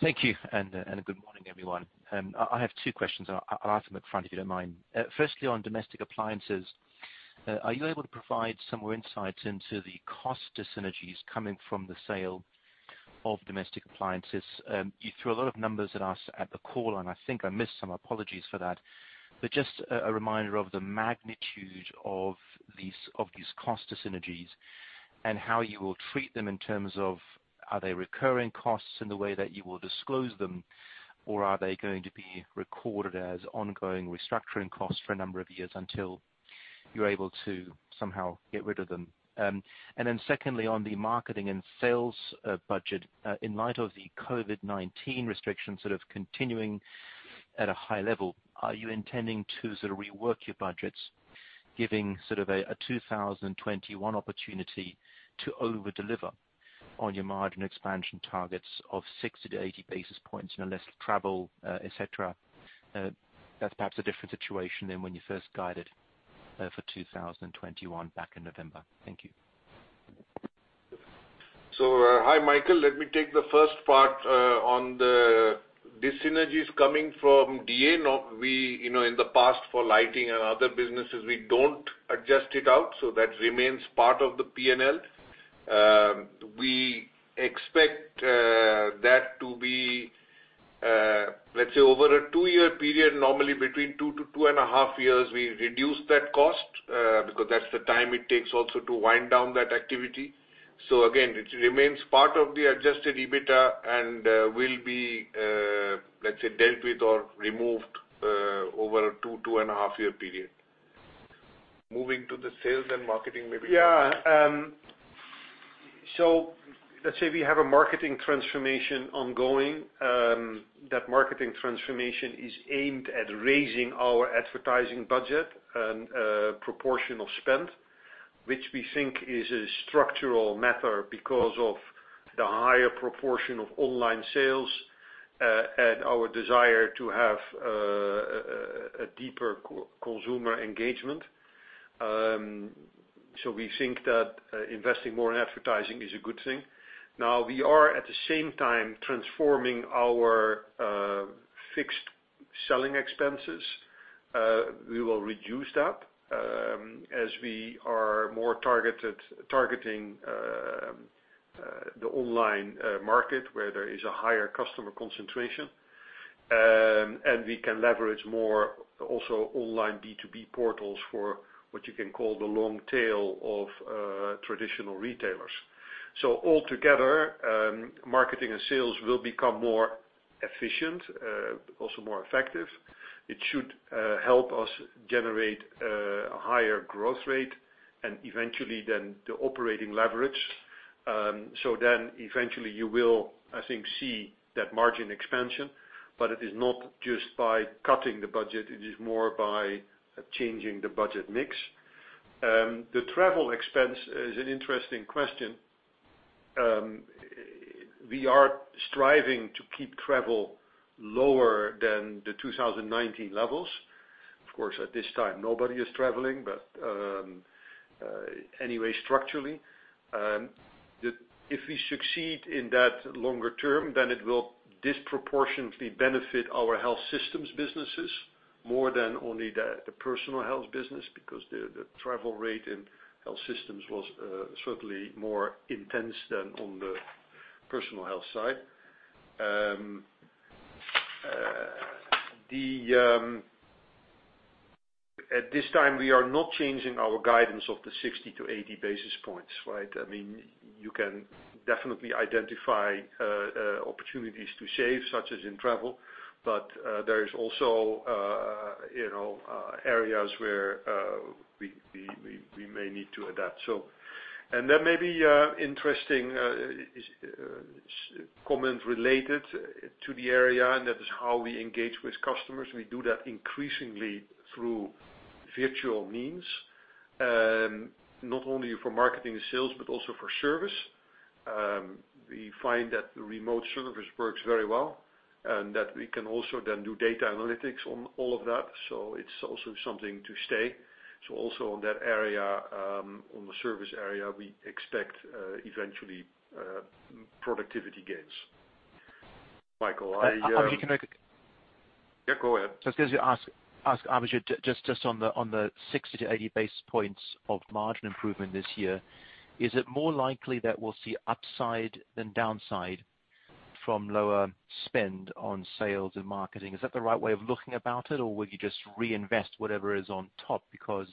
Thank you, good morning, everyone. I have two questions, I'll ask them up front, if you don't mind. Firstly, on Domestic Appliances, are you able to provide some more insights into the cost synergies coming from the sale of Domestic Appliances? You threw a lot of numbers at us at the call, I think I missed some. Apologies for that. Just a reminder of the magnitude of these cost synergies, and how you will treat them in terms of, are they recurring costs in the way that you will disclose them, or are they going to be recorded as ongoing restructuring costs for a number of years until you're able to somehow get rid of them? Secondly, on the marketing and sales budget, in light of the COVID-19 restrictions continuing at a high level, are you intending to rework your budgets, giving a 2021 opportunity to over-deliver on your margin expansion targets of 60 basis points to 80 basis points, less travel, et cetera? That's perhaps a different situation than when you first guided for 2021 back in November. Thank you. Hi, Michael. Let me take the first part on the synergies coming from DA. In the past, for lighting and other businesses, we don't adjust it out, so that remains part of the P&L. We expect that to be, let's say, over a two-year period, normally between two to two and a half years, we reduce that cost because that's the time it takes also to wind down that activity. Again, it remains part of the adjusted EBITA and will be, let's say, dealt with or removed over a two and a half year period. Moving to the sales and marketing maybe. Yeah. Let's say we have a marketing transformation ongoing. That marketing transformation is aimed at raising our advertising budget and proportional spend, which we think is a structural matter because of the higher proportion of online sales, and our desire to have a deeper consumer engagement. We think that investing more in advertising is a good thing. Now, we are, at the same time, transforming our fixed selling expenses. We will reduce that, as we are more targeting the online market where there is a higher customer concentration. We can leverage more also online B2B portals for what you can call the long tail of traditional retailers. Altogether, marketing and sales will become more efficient, also more effective. It should help us generate a higher growth rate and eventually then the operating leverage. Eventually you will, I think, see that margin expansion, but it is not just by cutting the budget, it is more by changing the budget mix. The travel expense is an interesting question. We are striving to keep travel lower than the 2019 levels. Of course, at this time, nobody is traveling, but, anyway, structurally, if we succeed in that longer term, then it will disproportionately benefit our health systems businesses more than only the Personal Health business because the travel rate in health systems was certainly more intense than on the Personal Health side. At this time, we are not changing our guidance of the 60-80 basis points. You can definitely identify opportunities to save, such as in travel, but there is also areas where we may need to adapt. There may be interesting comment related to the area, and that is how we engage with customers. We do that increasingly through virtual means, not only for marketing and sales, but also for service. We find that remote service works very well and that we can also then do data analytics on all of that. It is also something to stay. Also on that area, on the service area, we expect, eventually, productivity gains. Michael— Abhijit, can— Yeah, go ahead. I was going to ask Abhijit, just on the 60 basis points to 80 basis points of margin improvement this year, is it more likely that we'll see upside than downside from lower spend on sales and marketing? Is that the right way of looking about it? Or will you just reinvest whatever is on top because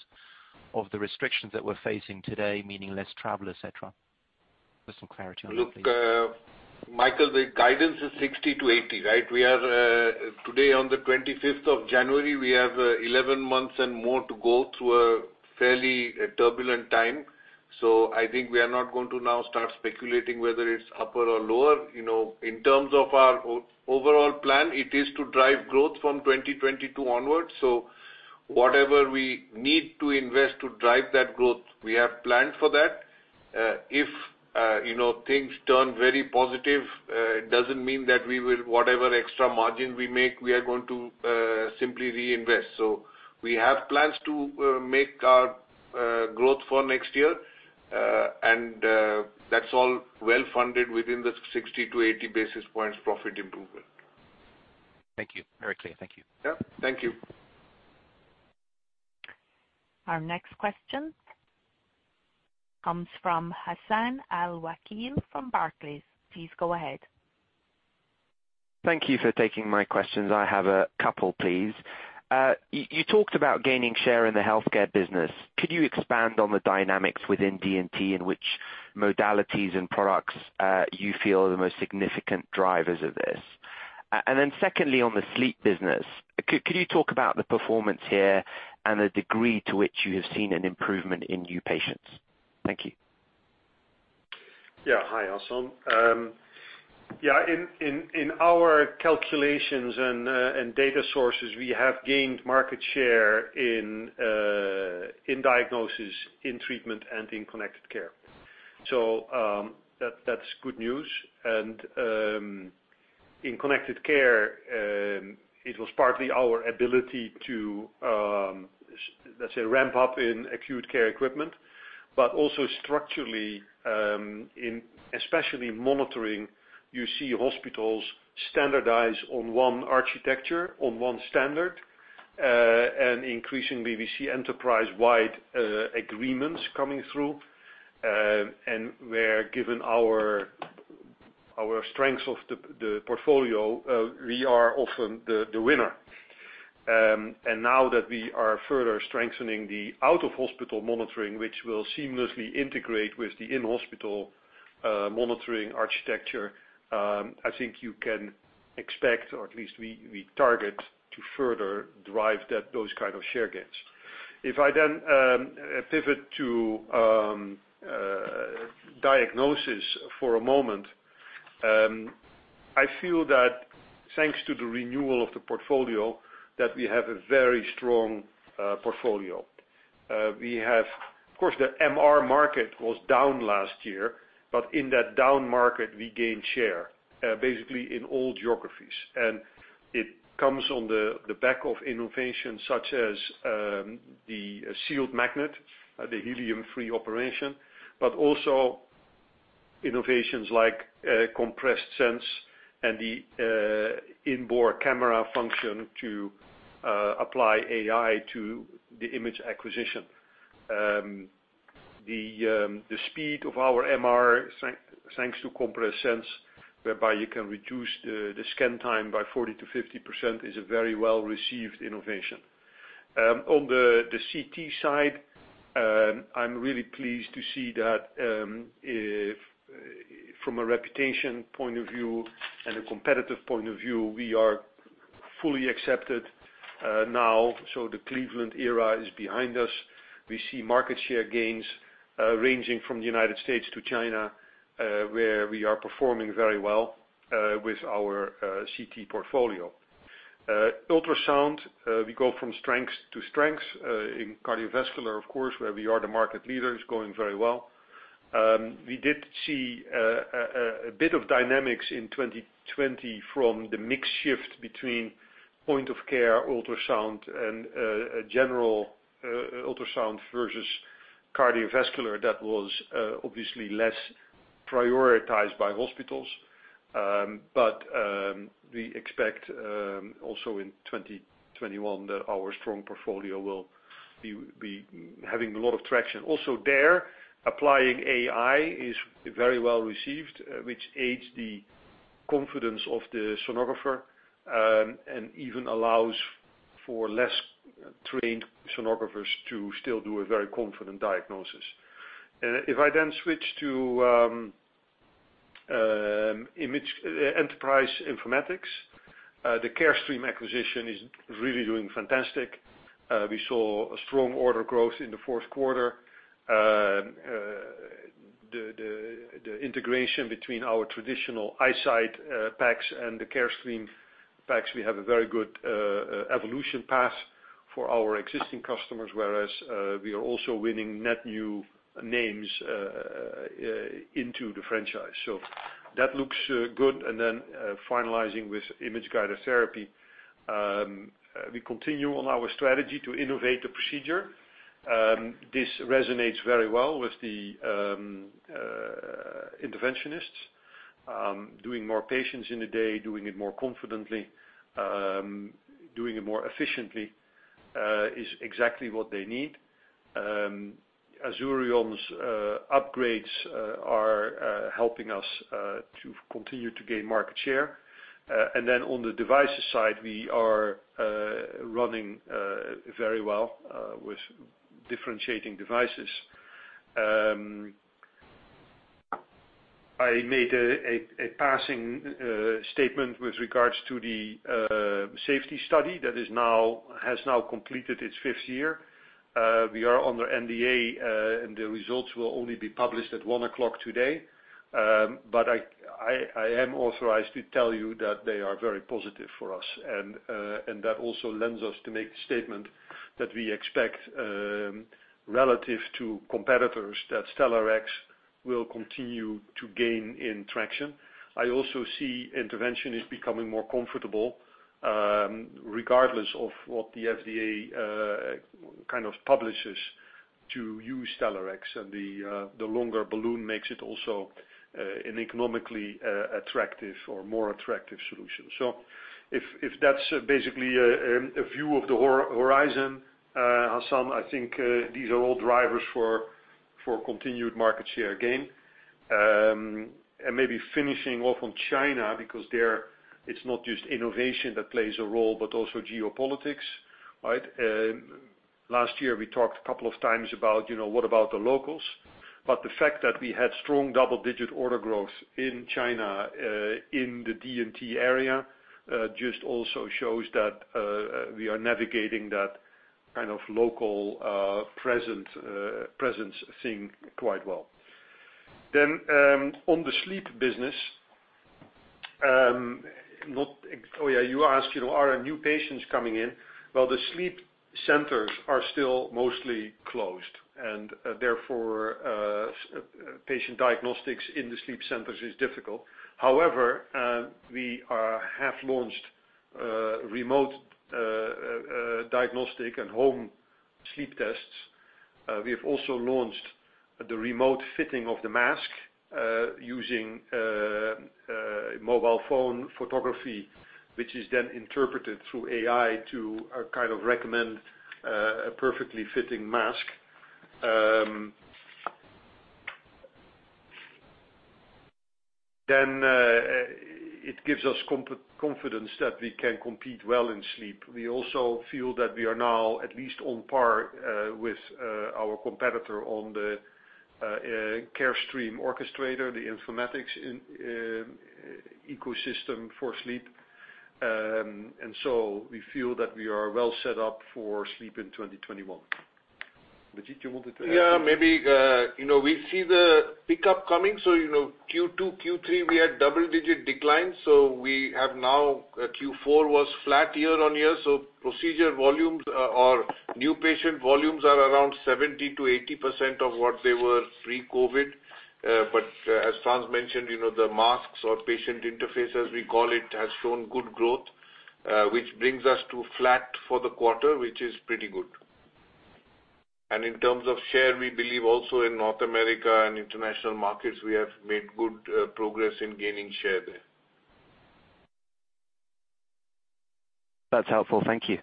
of the restrictions that we're facing today, meaning less travel, et cetera? For some clarity on that, please. Look, Michael, the guidance is 60 basis points to 80 basis points, right? Today on the 25th of January, we have 11 months and more to go through a fairly turbulent time. I think we are not going to now start speculating whether it's upper or lower. In terms of our overall plan, it is to drive growth from 2022 onwards. Whatever we need to invest to drive that growth, we have planned for that. If things turn very positive, it doesn't mean that whatever extra margin we make, we are going to simply reinvest. We have plans to make our growth for next year, and that's all well-funded within the 60-80 basis points profit improvement. Thank you. Very clear. Thank you. Yeah. Thank you. Our next question comes from Hassan Al-Wakeel from Barclays. Please go ahead. Thank you for taking my questions. I have a couple, please. You talked about gaining share in the healthcare business. Could you expand on the dynamics within D&T, in which modalities and products you feel are the most significant drivers of this? Secondly, on the sleep business, could you talk about the performance here and the degree to which you have seen an improvement in new patients? Thank you. Hi, Hassan. In our calculations and data sources, we have gained market share in diagnosis, in treatment, and in Connected Care. In Connected Care, it was partly our ability to, let's say, ramp up in acute care equipment, but also structurally, especially in monitoring, you see hospitals standardize on one architecture, on one standard. Increasingly, we see enterprise-wide agreements coming through. Where, given our strengths of the portfolio, we are often the winner. Now that we are further strengthening the out-of-hospital monitoring, which will seamlessly integrate with the in-hospital monitoring architecture, I think you can expect, or at least we target to further drive those kind of share gains. If I then pivot to diagnosis for a moment, I feel that thanks to the renewal of the portfolio, that we have a very strong portfolio. The MR market was down last year, but in that down market, we gained share in all geographies. It comes on the back of innovation such as the sealed magnet, the helium-free operation, but also innovations like Compressed SENSE and the in-bore camera function to apply AI to the image acquisition. The speed of our MR, thanks to Compressed SENSE, whereby you can reduce the scan time by 40%-50%, is a very well-received innovation. On the CT side, I'm really pleased to see that from a reputation point of view and a competitive point of view, we are fully accepted now. The Cleveland era is behind us. We see market share gains ranging from the United States to China, where we are performing very well with our CT portfolio. Ultrasound, we go from strength to strength. In cardiovascular, of course, where we are the market leader, it's going very well. We did see a bit of dynamics in 2020 from the mix shift between point-of-care ultrasound and general ultrasound versus cardiovascular. That was obviously less prioritized by hospitals. We expect also in 2021 that our strong portfolio will be having a lot of traction. Also there, applying AI is very well-received, which aids the confidence of the sonographer and even allows for less trained sonographers to still do a very confident diagnosis. If I then switch to enterprise informatics, the Carestream acquisition is really doing fantastic. We saw a strong order growth in the fourth quarter. The integration between our traditional iSite PACS and the Carestream PACS, we have a very good evolution path for our existing customers, whereas we are also winning net new names into the franchise. That looks good. Finalizing with Image-Guided Therapy. We continue on our strategy to innovate the procedure. This resonates very well with the interventionists. Doing more patients in a day, doing it more confidently, doing it more efficiently, is exactly what they need. Azurion's upgrades are helping us to continue to gain market share. On the devices side, we are running very well with differentiating devices. I made a passing statement with regards to the safety study that has now completed its fifth year. We are under NDA, and the results will only be published at 1 o'clock today. I am authorized to tell you that they are very positive for us, and that also lends us to make the statement that we expect, relative to competitors, that Stellarex will continue to gain in traction. I also see interventionists becoming more comfortable, regardless of what the FDA kind of publishes, to use Stellarex. The longer balloon makes it also an economically attractive or more attractive solution. If that's basically a view of the horizon, Hassan, I think these are all drivers for continued market share gain. Maybe finishing off on China, because there, it's not just innovation that plays a role, but also geopolitics, right? Last year, we talked a couple of times about, what about the locals? The fact that we had strong double-digit order growth in China in the D&T area just also shows that we are navigating that kind of local presence thing quite well. On the sleep business, you asked, are new patients coming in? Well, the sleep centers are still mostly closed. Therefore, patient diagnostics in the sleep centers is difficult. We have launched remote diagnostic and home sleep tests. We have also launched the remote fitting of the mask, using mobile phone photography, which is then interpreted through AI to recommend a perfectly fitting mask. It gives us confidence that we can compete well in sleep. We also feel that we are now at least on par with our competitor on the Carestream Workflow Orchestrator, the informatics ecosystem for sleep. We feel that we are well set up for sleep in 2021. Abhijit, you wanted to add? Yeah, maybe. We see the pickup coming. Q2, Q3, we had double-digit declines. We have now, Q4 was flat year-on-year, procedure volumes or new patient volumes are around 70%-80% of what they were pre-COVID. As Frans mentioned, the masks or patient interfaces, we call it, have shown good growth, which brings us to flat for the quarter, which is pretty good. In terms of share, we believe also in North America and international markets, we have made good progress in gaining share there. That's helpful. Thank you.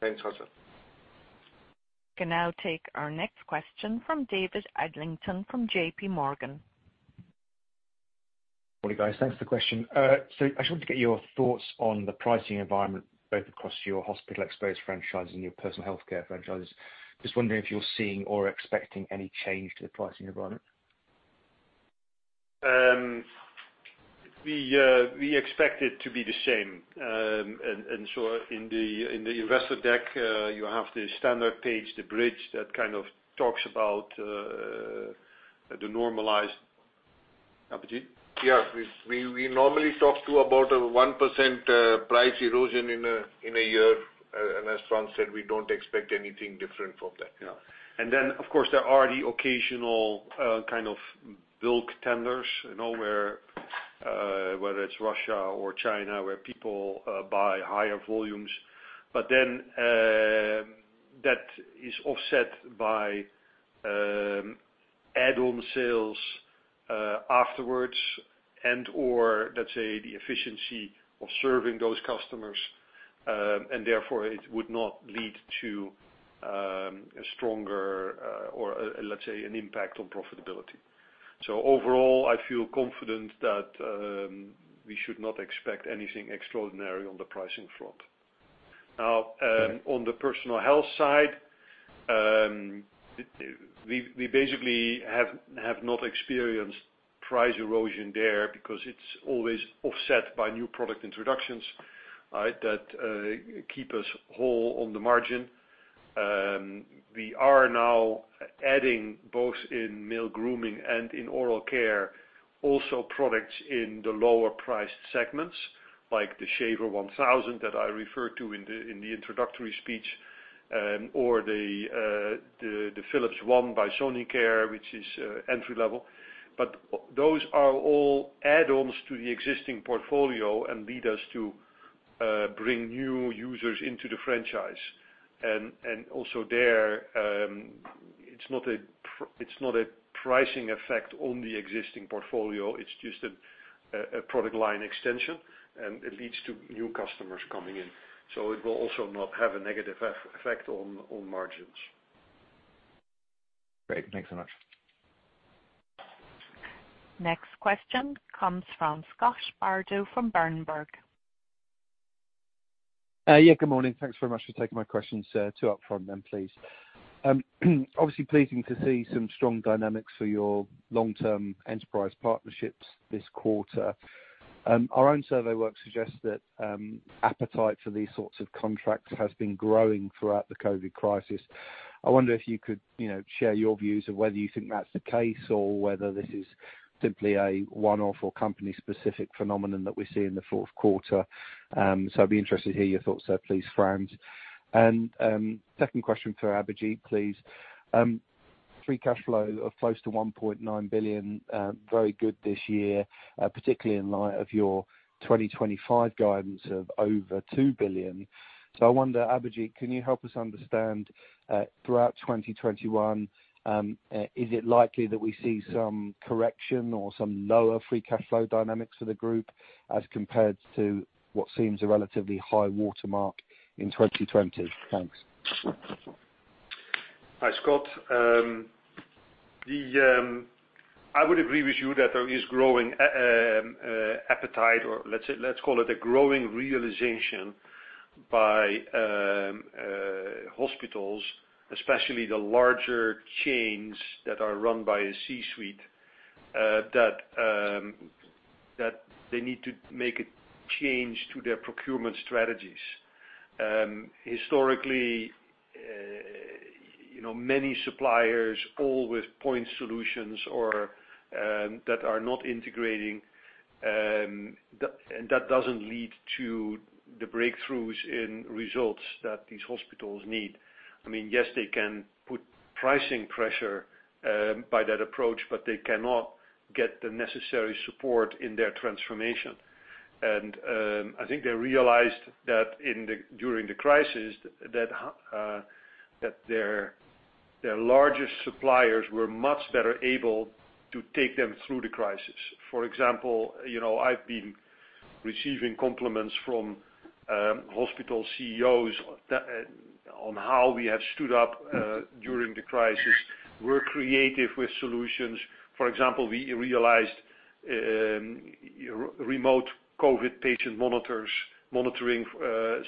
Thanks, Hassan. We can now take our next question from David Adlington from JPMorgan. Morning, guys. Thanks for the question. I just wanted to get your thoughts on the pricing environment, both across your hospital exposed franchise and your Personal Healthcare franchise. Just wondering if you're seeing or expecting any change to the pricing environment. We expect it to be the same. In the investor deck, you have the standard page, the bridge that kind of talks about the normalized Abhijit? Yeah. We normally talk to about a 1% price erosion in a year. As Frans said, we don't expect anything different from that. Then, of course, there are the occasional kind of bulk tenders, where, whether it's Russia or China, where people buy higher volumes. That is offset by add-on sales afterwards and/or let's say the efficiency of serving those customers, and therefore it would not lead to a stronger, or let's say an impact on profitability. Overall, I feel confident that we should not expect anything extraordinary on the pricing front. On the Personal Health side, we basically have not experienced price erosion there because it's always offset by new product introductions that keep us whole on the margin. We are now adding both in male grooming and in oral care, also products in the lower priced segments, like the Shaver 1000 that I referred to in the introductory speech, or the Philips One by Sonicare, which is entry-level. Those are all add-ons to the existing portfolio and lead us to bring new users into the franchise. Also there, it's not a pricing effect on the existing portfolio. It's just a product line extension, and it leads to new customers coming in. It will also not have a negative effect on margins. Great. Thanks so much. Next question comes from Scott Bardo from Berenberg. Good morning. Thanks very much for taking my questions. Two up front, please. Obviously pleasing to see some strong dynamics for your long-term enterprise partnerships this quarter. Our own survey work suggests that appetite for these sorts of contracts has been growing throughout the COVID-19 crisis. I wonder if you could share your views of whether you think that's the case or whether this is simply a one-off or company-specific phenomenon that we see in the fourth quarter. I'd be interested to hear your thoughts there, please, Frans. Second question for Abhijit, please. Free cash flow of close to $1.9 billion, very good this year, particularly in light of your 2025 guidance of over $2 billion. I wonder, Abhijit, can you help us understand, throughout 2021, is it likely that we see some correction or some lower free cash flow dynamics for the group as compared to what seems a relatively high watermark in 2020? Thanks. Hi, Scott. I would agree with you that there is growing appetite, or let's call it a growing realization by hospitals, especially the larger chains that are run by a C-suite, that they need to make a change to their procurement strategies. Historically. Many suppliers, all with point solutions or that are not integrating, and that doesn't lead to the breakthroughs in results that these hospitals need. Yes, they can put pricing pressure by that approach, but they cannot get the necessary support in their transformation. I think they realized that during the crisis, that their largest suppliers were much better able to take them through the crisis. For example, I've been receiving compliments from hospital CEOs on how we have stood up during the crisis. We're creative with solutions. For example, we realized remote COVID-19 patient monitoring,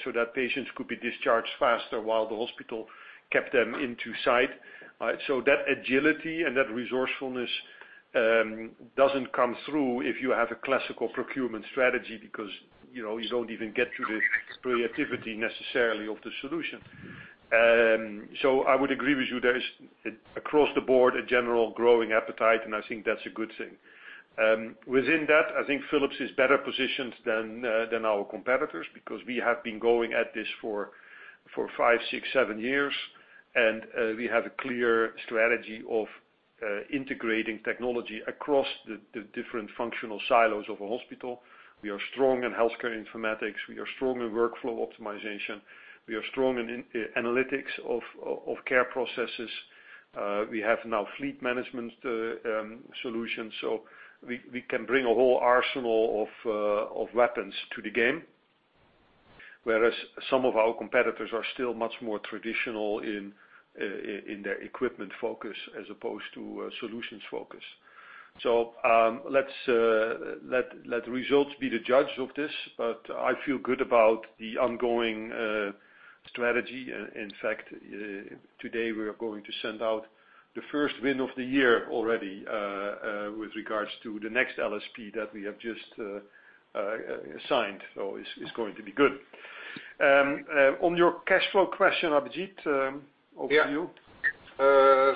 so that patients could be discharged faster while the hospital kept them into sight. That agility and that resourcefulness doesn't come through if you have a classical procurement strategy because you don't even get to the creativity necessarily of the solution. I would agree with you, there is, across the board, a general growing appetite, and I think that's a good thing. Within that, I think Philips is better positioned than our competitors because we have been going at this for five, six, seven years. We have a clear strategy of integrating technology across the different functional silos of a hospital. We are strong in healthcare informatics. We are strong in workflow optimization. We are strong in analytics of care processes. We have now fleet management solutions. We can bring a whole arsenal of weapons to the game. Whereas some of our competitors are still much more traditional in their equipment focus as opposed to a solutions focus. Let the results be the judge of this, but I feel good about the ongoing strategy. In fact, today we are going to send out the first win of the year already, with regards to the next LSP that we have just signed. It's going to be good. On your cash flow question, Abhijit, over to you. Yeah.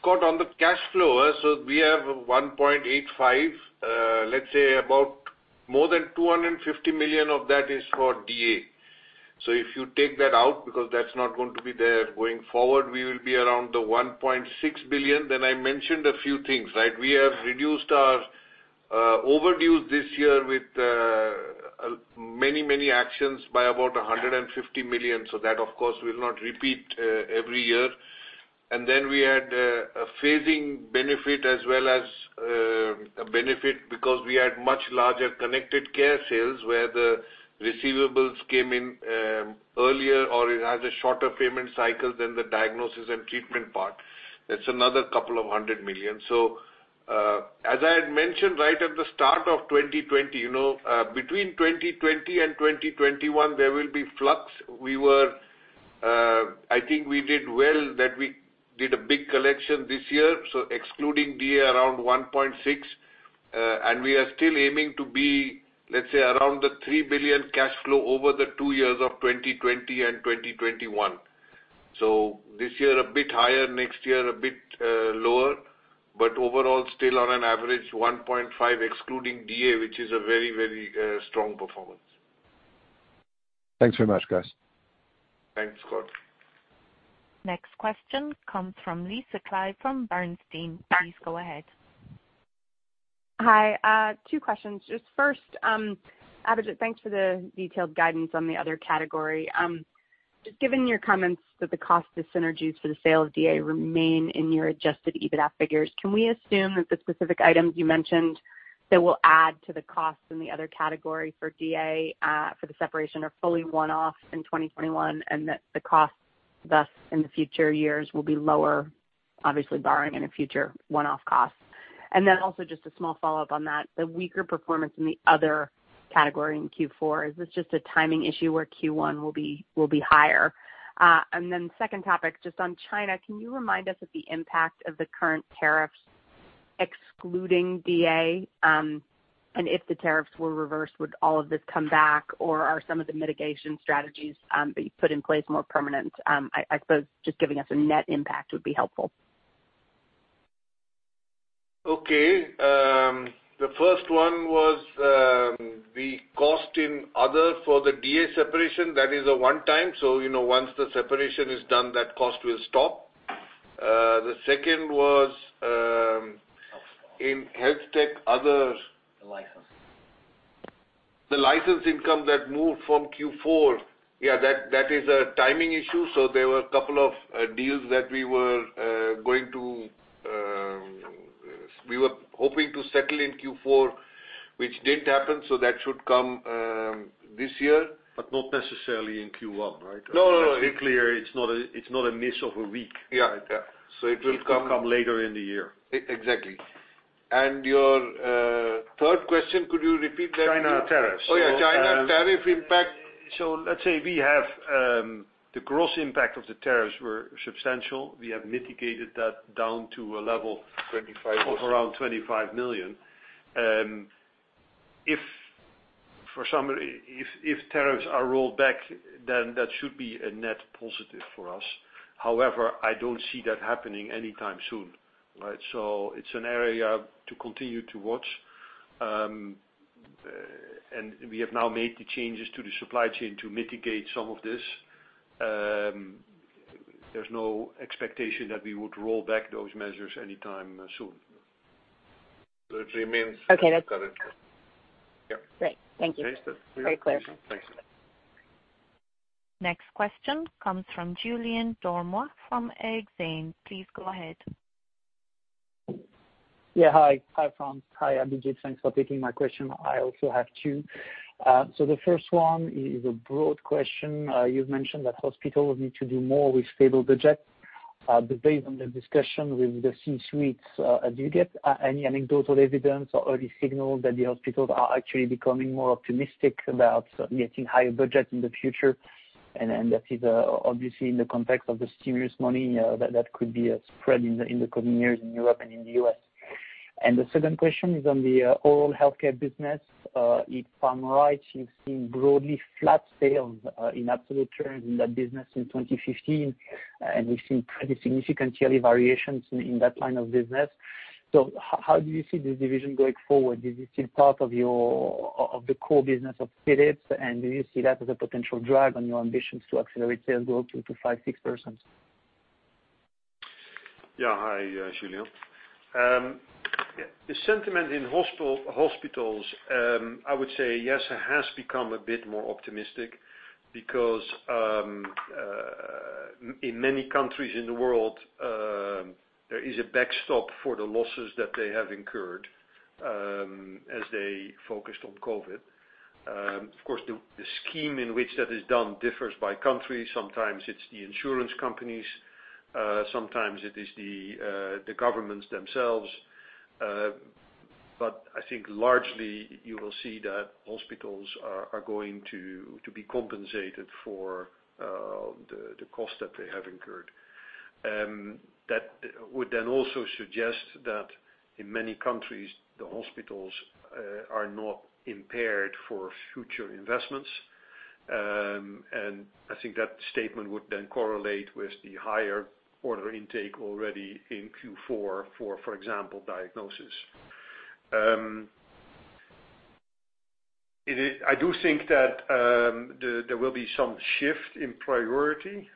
Scott, on the cash flow, we have $1.85 billion, let's say about more than $250 million of that is for DA. If you take that out, because that's not going to be there going forward, we will be around the $1.6 billion. I mentioned a few things, right? We have reduced our overdues this year with many actions by about $150 million. That, of course, will not repeat every year. We had a phasing benefit as well as a benefit because we had much larger Connected Care sales where the receivables came in earlier, or it has a shorter payment cycle than the Diagnosis & Treatment part. That's another couple of hundred million. As I had mentioned right at the start of 2020, between 2020 and 2021, there will be flux. I think we did well that we did a big collection this year. Excluding DA, around 1.6 billion. We are still aiming to be, let's say, around the $3 billion cash flow over the two years of 2020 and 2021. This year, a bit higher, next year, a bit lower. Overall, still on an average 1.5 billion excluding DA, which is a very strong performance. Thanks very much, guys. Thanks, Scott. Next question comes from Lisa Clive from Bernstein. Please go ahead. Hi. Two questions. First, Abhijit, thanks for the detailed guidance on the Other category. Given your comments that the cost of synergies for the sale of DA remain in your adjusted EBITDA figures, can we assume that the specific items you mentioned that will add to the cost in the Other category for DA, for the separation, are fully one-off in 2021, and that the cost thus in the future years will be lower, obviously barring any future one-off costs. A small follow-up on that, the weaker performance in the Other category in Q4, is this a timing issue where Q1 will be higher? Then second topic just on China, can you remind us of the impact of the current tariffs excluding DA? If the tariffs were reversed, would all of this come back, or are some of the mitigation strategies, that you put in place more permanent? I suppose just giving us a net impact would be helpful. Okay. The first one was, the cost in other for the DA separation, that is a one-time. Once the separation is done, that cost will stop. The second was, in HealthTech. The license. The license income that moved from Q4, yeah, that is a timing issue. There were a couple of deals that we were hoping to settle in Q4, which didn't happen, that should come this year. Not necessarily in Q1, right? No. Let's be clear, it's not a miss of a week. Yeah. It will come later in the year. Exactly. Your third question, could you repeat that? China tariffs. Oh, yeah. China tariff impact. Let's say the gross impact of the tariffs were substantial. We have mitigated that down to a level- Twenty-five of around $25 million. For some, if tariffs are rolled back, then that should be a net positive for us. However, I don't see that happening anytime soon, right? It's an area to continue to watch. We have now made the changes to the supply chain to mitigate some of this. There's no expectation that we would roll back those measures anytime soon. Okay, that's. Got it. Yep. Great. Thank you. Understood. Very clear. Thanks. Next question comes from Julien Dormois from Exane. Please go ahead. Hi, Frans. Hi, Abhijit. Thanks for taking my question. I also have two. The first one is a broad question. You've mentioned that hospitals need to do more with stable budgets. Based on the discussion with the C-suites, do you get any anecdotal evidence or early signals that the hospitals are actually becoming more optimistic about getting higher budgets in the future? That is, obviously, in the context of the stimulus money that could be spread in the coming years in Europe and in the U.S. The second question is on the Oral Healthcare business. If I'm right, you've seen broadly flat sales in absolute terms in that business in 2015, and we've seen pretty significant yearly variations in that line of business. How do you see this division going forward? Is it still part of the core business of Philips? Do you see that as a potential drag on your ambitions to accelerate sales growth to 5%-6%? Yeah. Hi, Julien. The sentiment in hospitals, I would say yes, it has become a bit more optimistic because, in many countries in the world, there is a backstop for the losses that they have incurred, as they focused on COVID. Of course, the scheme in which that is done differs by country. Sometimes it's the insurance companies, sometimes it is the governments themselves. I think largely you will see that hospitals are going to be compensated for the cost that they have incurred. That would then also suggest that in many countries, the hospitals are not impaired for future investments. I think that statement would then correlate with the higher order intake already in Q4, for example, diagnosis. I do think that there will be some shift in priority.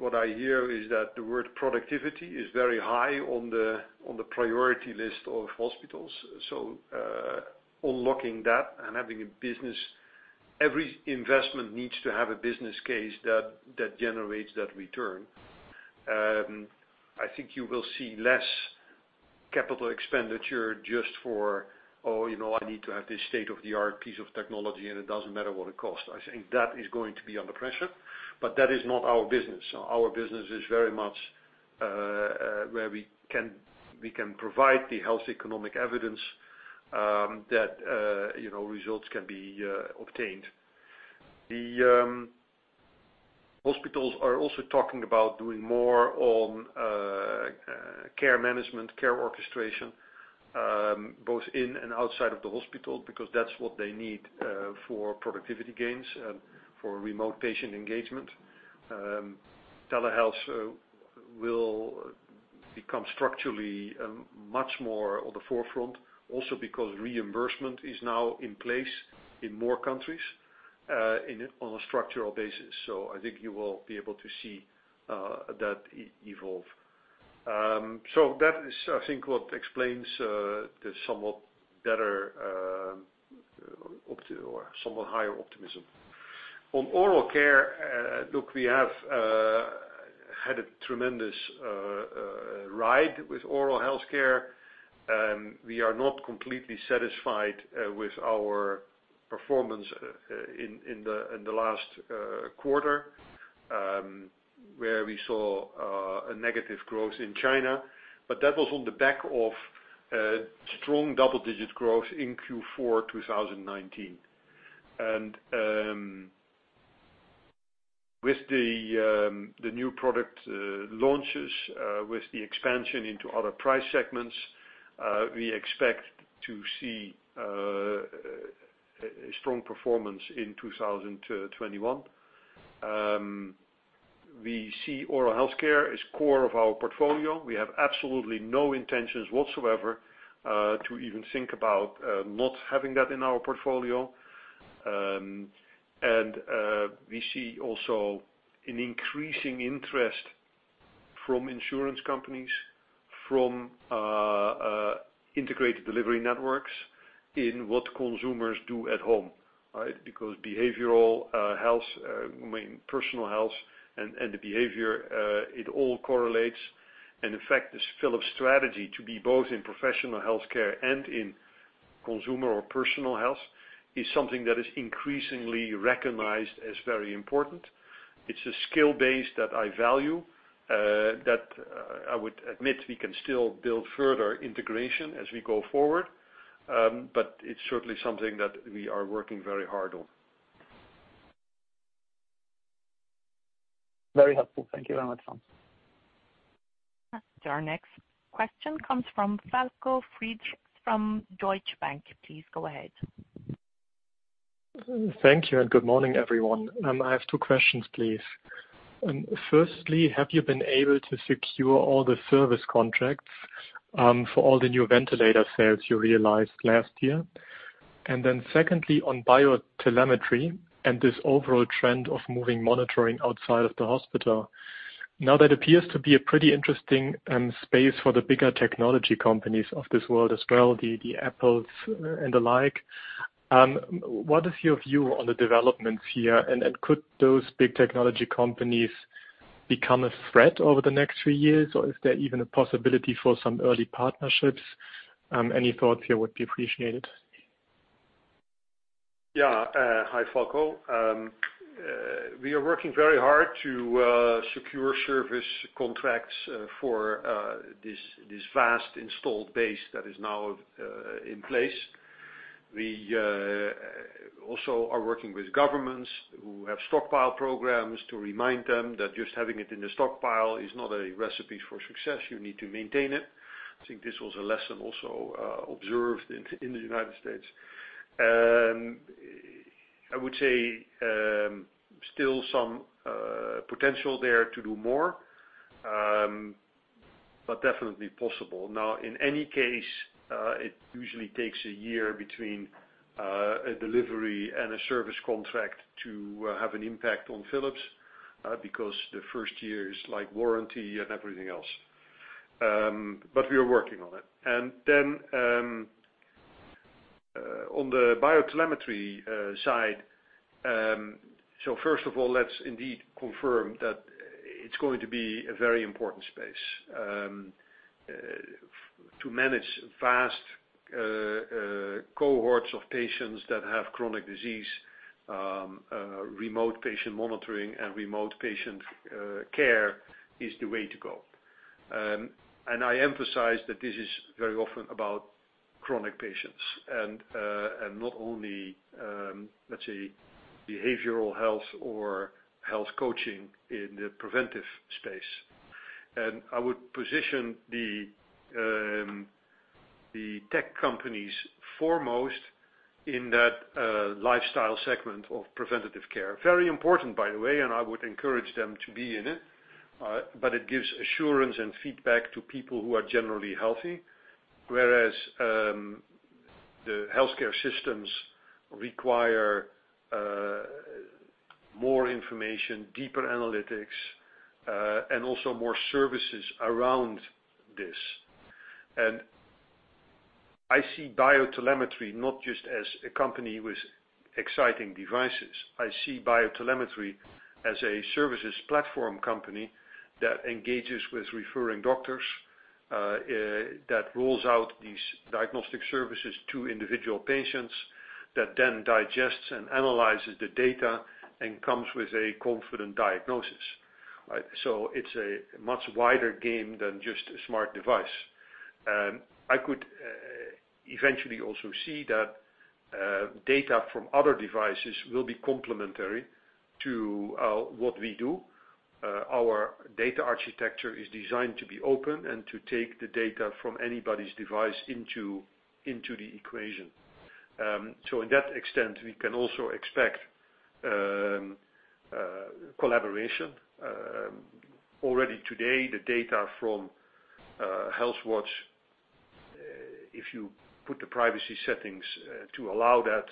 What I hear is that the word productivity is very high on the priority list of hospitals. Unlocking that and having a business. Every investment needs to have a business case that generates that return. I think you will see less capital expenditure just for, "Oh, I need to have this state-of-the-art piece of technology, and it doesn't matter what it costs." I think that is going to be under pressure, but that is not our business. Our business is very much where we can provide the health economic evidence that results can be obtained. The hospitals are also talking about doing more on care management, care orchestration, both in and outside of the hospital, because that's what they need for productivity gains and for remote patient engagement. Telehealth will become structurally much more on the forefront also because reimbursement is now in place in more countries on a structural basis. I think you will be able to see that evolve. That is, I think, what explains the somewhat better or somewhat higher optimism. Oral care, look, we have had a tremendous ride with Oral Healthcare. We are not completely satisfied with our performance in the last quarter, where we saw a negative growth in China. That was on the back of strong double-digit growth in Q4 2019. With the new product launches, with the expansion into other price segments, we expect to see a strong performance in 2021. We see Oral Healthcare as core of our portfolio. We have absolutely no intentions whatsoever to even think about not having that in our portfolio. We see also an increasing interest from insurance companies, from integrated delivery networks in what consumers do at home, right? Behavioral health, Personal Health, and the behavior, it all correlates. In fact, this Philips strategy to be both in professional healthcare and in consumer or Personal Health is something that is increasingly recognized as very important. It’s a skill base that I value, that I would admit we can still build further integration as we go forward. It’s certainly something that we are working very hard on. Very helpful. Thank you very much, Frans. Our next question comes from Falko Friedrichs from Deutsche Bank. Please go ahead. Thank you, and good morning, everyone. I have two questions, please. Firstly, have you been able to secure all the service contracts for all the new ventilator sales you realized last year? Then secondly, on BioTelemetry and this overall trend of moving monitoring outside of the hospital. Now, that appears to be a pretty interesting space for the bigger technology companies of this world as well, the Apples and the like. What is your view on the developments here? Could those big technology companies become a threat over the next few years? Is there even a possibility for some early partnerships? Any thoughts here would be appreciated. Yeah. Hi, Falko. We are working very hard to secure service contracts for this vast installed base that is now in place. We also are working with governments who have stockpile programs to remind them that just having it in the stockpile is not a recipe for success. You need to maintain it. I think this was a lesson also observed in the United States. I would say, still some potential there to do more, but definitely possible. In any case, it usually takes a year between a delivery and a service contract to have an impact on Philips, because the first year is like warranty and everything else. We are working on it. On the BioTelemetry side. First of all, let's indeed confirm that it's going to be a very important space. To manage vast cohorts of patients that have chronic disease, remote patient monitoring and remote patient care is the way to go. I emphasize that this is very often about chronic patients and not only, let's say, behavioral health or health coaching in the preventive space. I would position the tech companies foremost in that lifestyle segment of preventative care. Very important, by the way, I would encourage them to be in it. It gives assurance and feedback to people who are generally healthy, whereas the healthcare systems require more information, deeper analytics, and also more services around this. I see BioTelemetry not just as a company with exciting devices. I see BioTelemetry as a services platform company that engages with referring doctors, that rolls out these diagnostic services to individual patients, that then digests and analyzes the data and comes with a confident diagnosis. It's a much wider game than just a smart device. I could eventually also see that data from other devices will be complementary to what we do. Our data architecture is designed to be open and to take the data from anybody's device into the equation. In that extent, we can also expect collaboration. Already today, the data from Health Watch, if you put the privacy settings to allow that,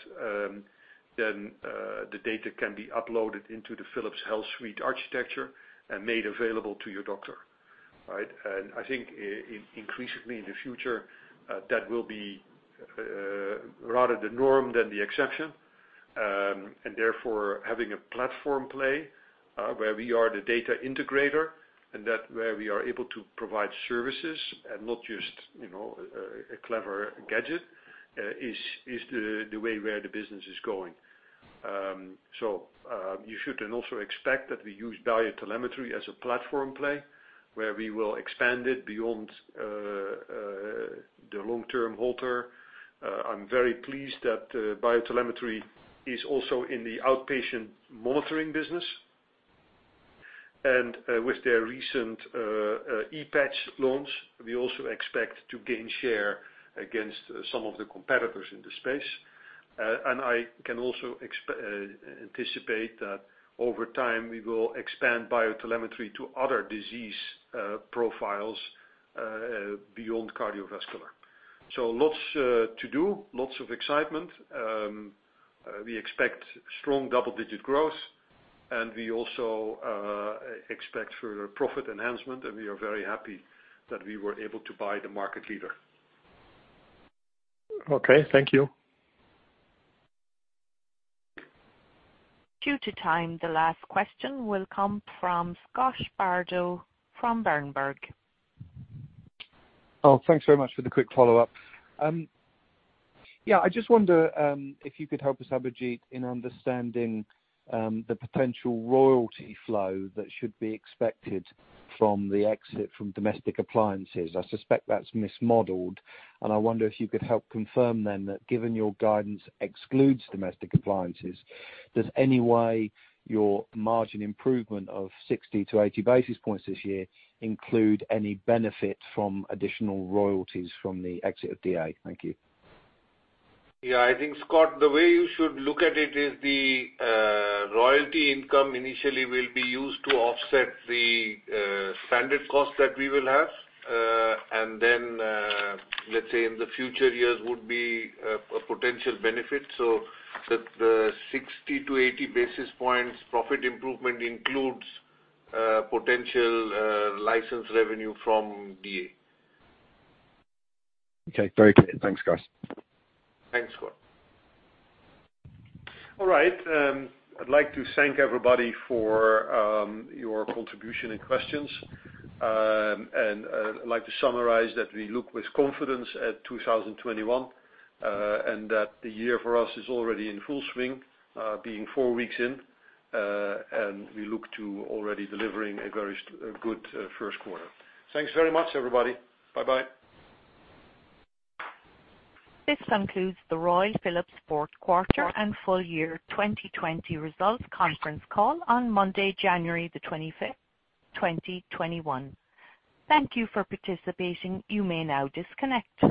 then the data can be uploaded into the Philips HealthSuite architecture and made available to your doctor. I think increasingly in the future, that will be rather the norm than the exception. Therefore, having a platform play, where we are the data integrator and that where we are able to provide services and not just a clever gadget, is the way where the business is going. You should then also expect that we use BioTelemetry as a platform play, where we will expand it beyond the long-term Holter. I'm very pleased that BioTelemetry is also in the outpatient monitoring business. With their recent ePatch launch, we also expect to gain share against some of the competitors in the space. I can also anticipate that over time, we will expand BioTelemetry to other disease profiles beyond cardiovascular. Lots to do, lots of excitement. We expect strong double-digit growth, and we also expect further profit enhancement, and we are very happy that we were able to buy the market leader. Okay. Thank you. Due to time, the last question will come from Scott Bardo from Berenberg. Thanks very much for the quick follow-up. I just wonder if you could help us, Abhijit, in understanding the potential royalty flow that should be expected from the exit from Domestic Appliances. I suspect that's mismodeled, and I wonder if you could help confirm then that given your guidance excludes Domestic Appliances, does any way your margin improvement of 60 basis points to 80 basis points this year include any benefit from additional royalties from the exit of DA? Thank you. I think, Scott, the way you should look at it is the royalty income initially will be used to offset the standard cost that we will have. Let's say in the future years would be a potential benefit. The 60 basis points to 80 basis points profit improvement includes potential license revenue from DA. Okay, very clear. Thanks, guys. Thanks, Scott. All right. I'd like to thank everybody for your contribution and questions. I'd like to summarize that we look with confidence at 2021, and that the year for us is already in full swing, being four weeks in. We look to already delivering a very good first quarter. Thanks very much, everybody. Bye-bye. This concludes the Royal Philips fourth quarter and full year 2020 results conference call on Monday, January the 25th, 2021. Thank you for participating. You may now disconnect.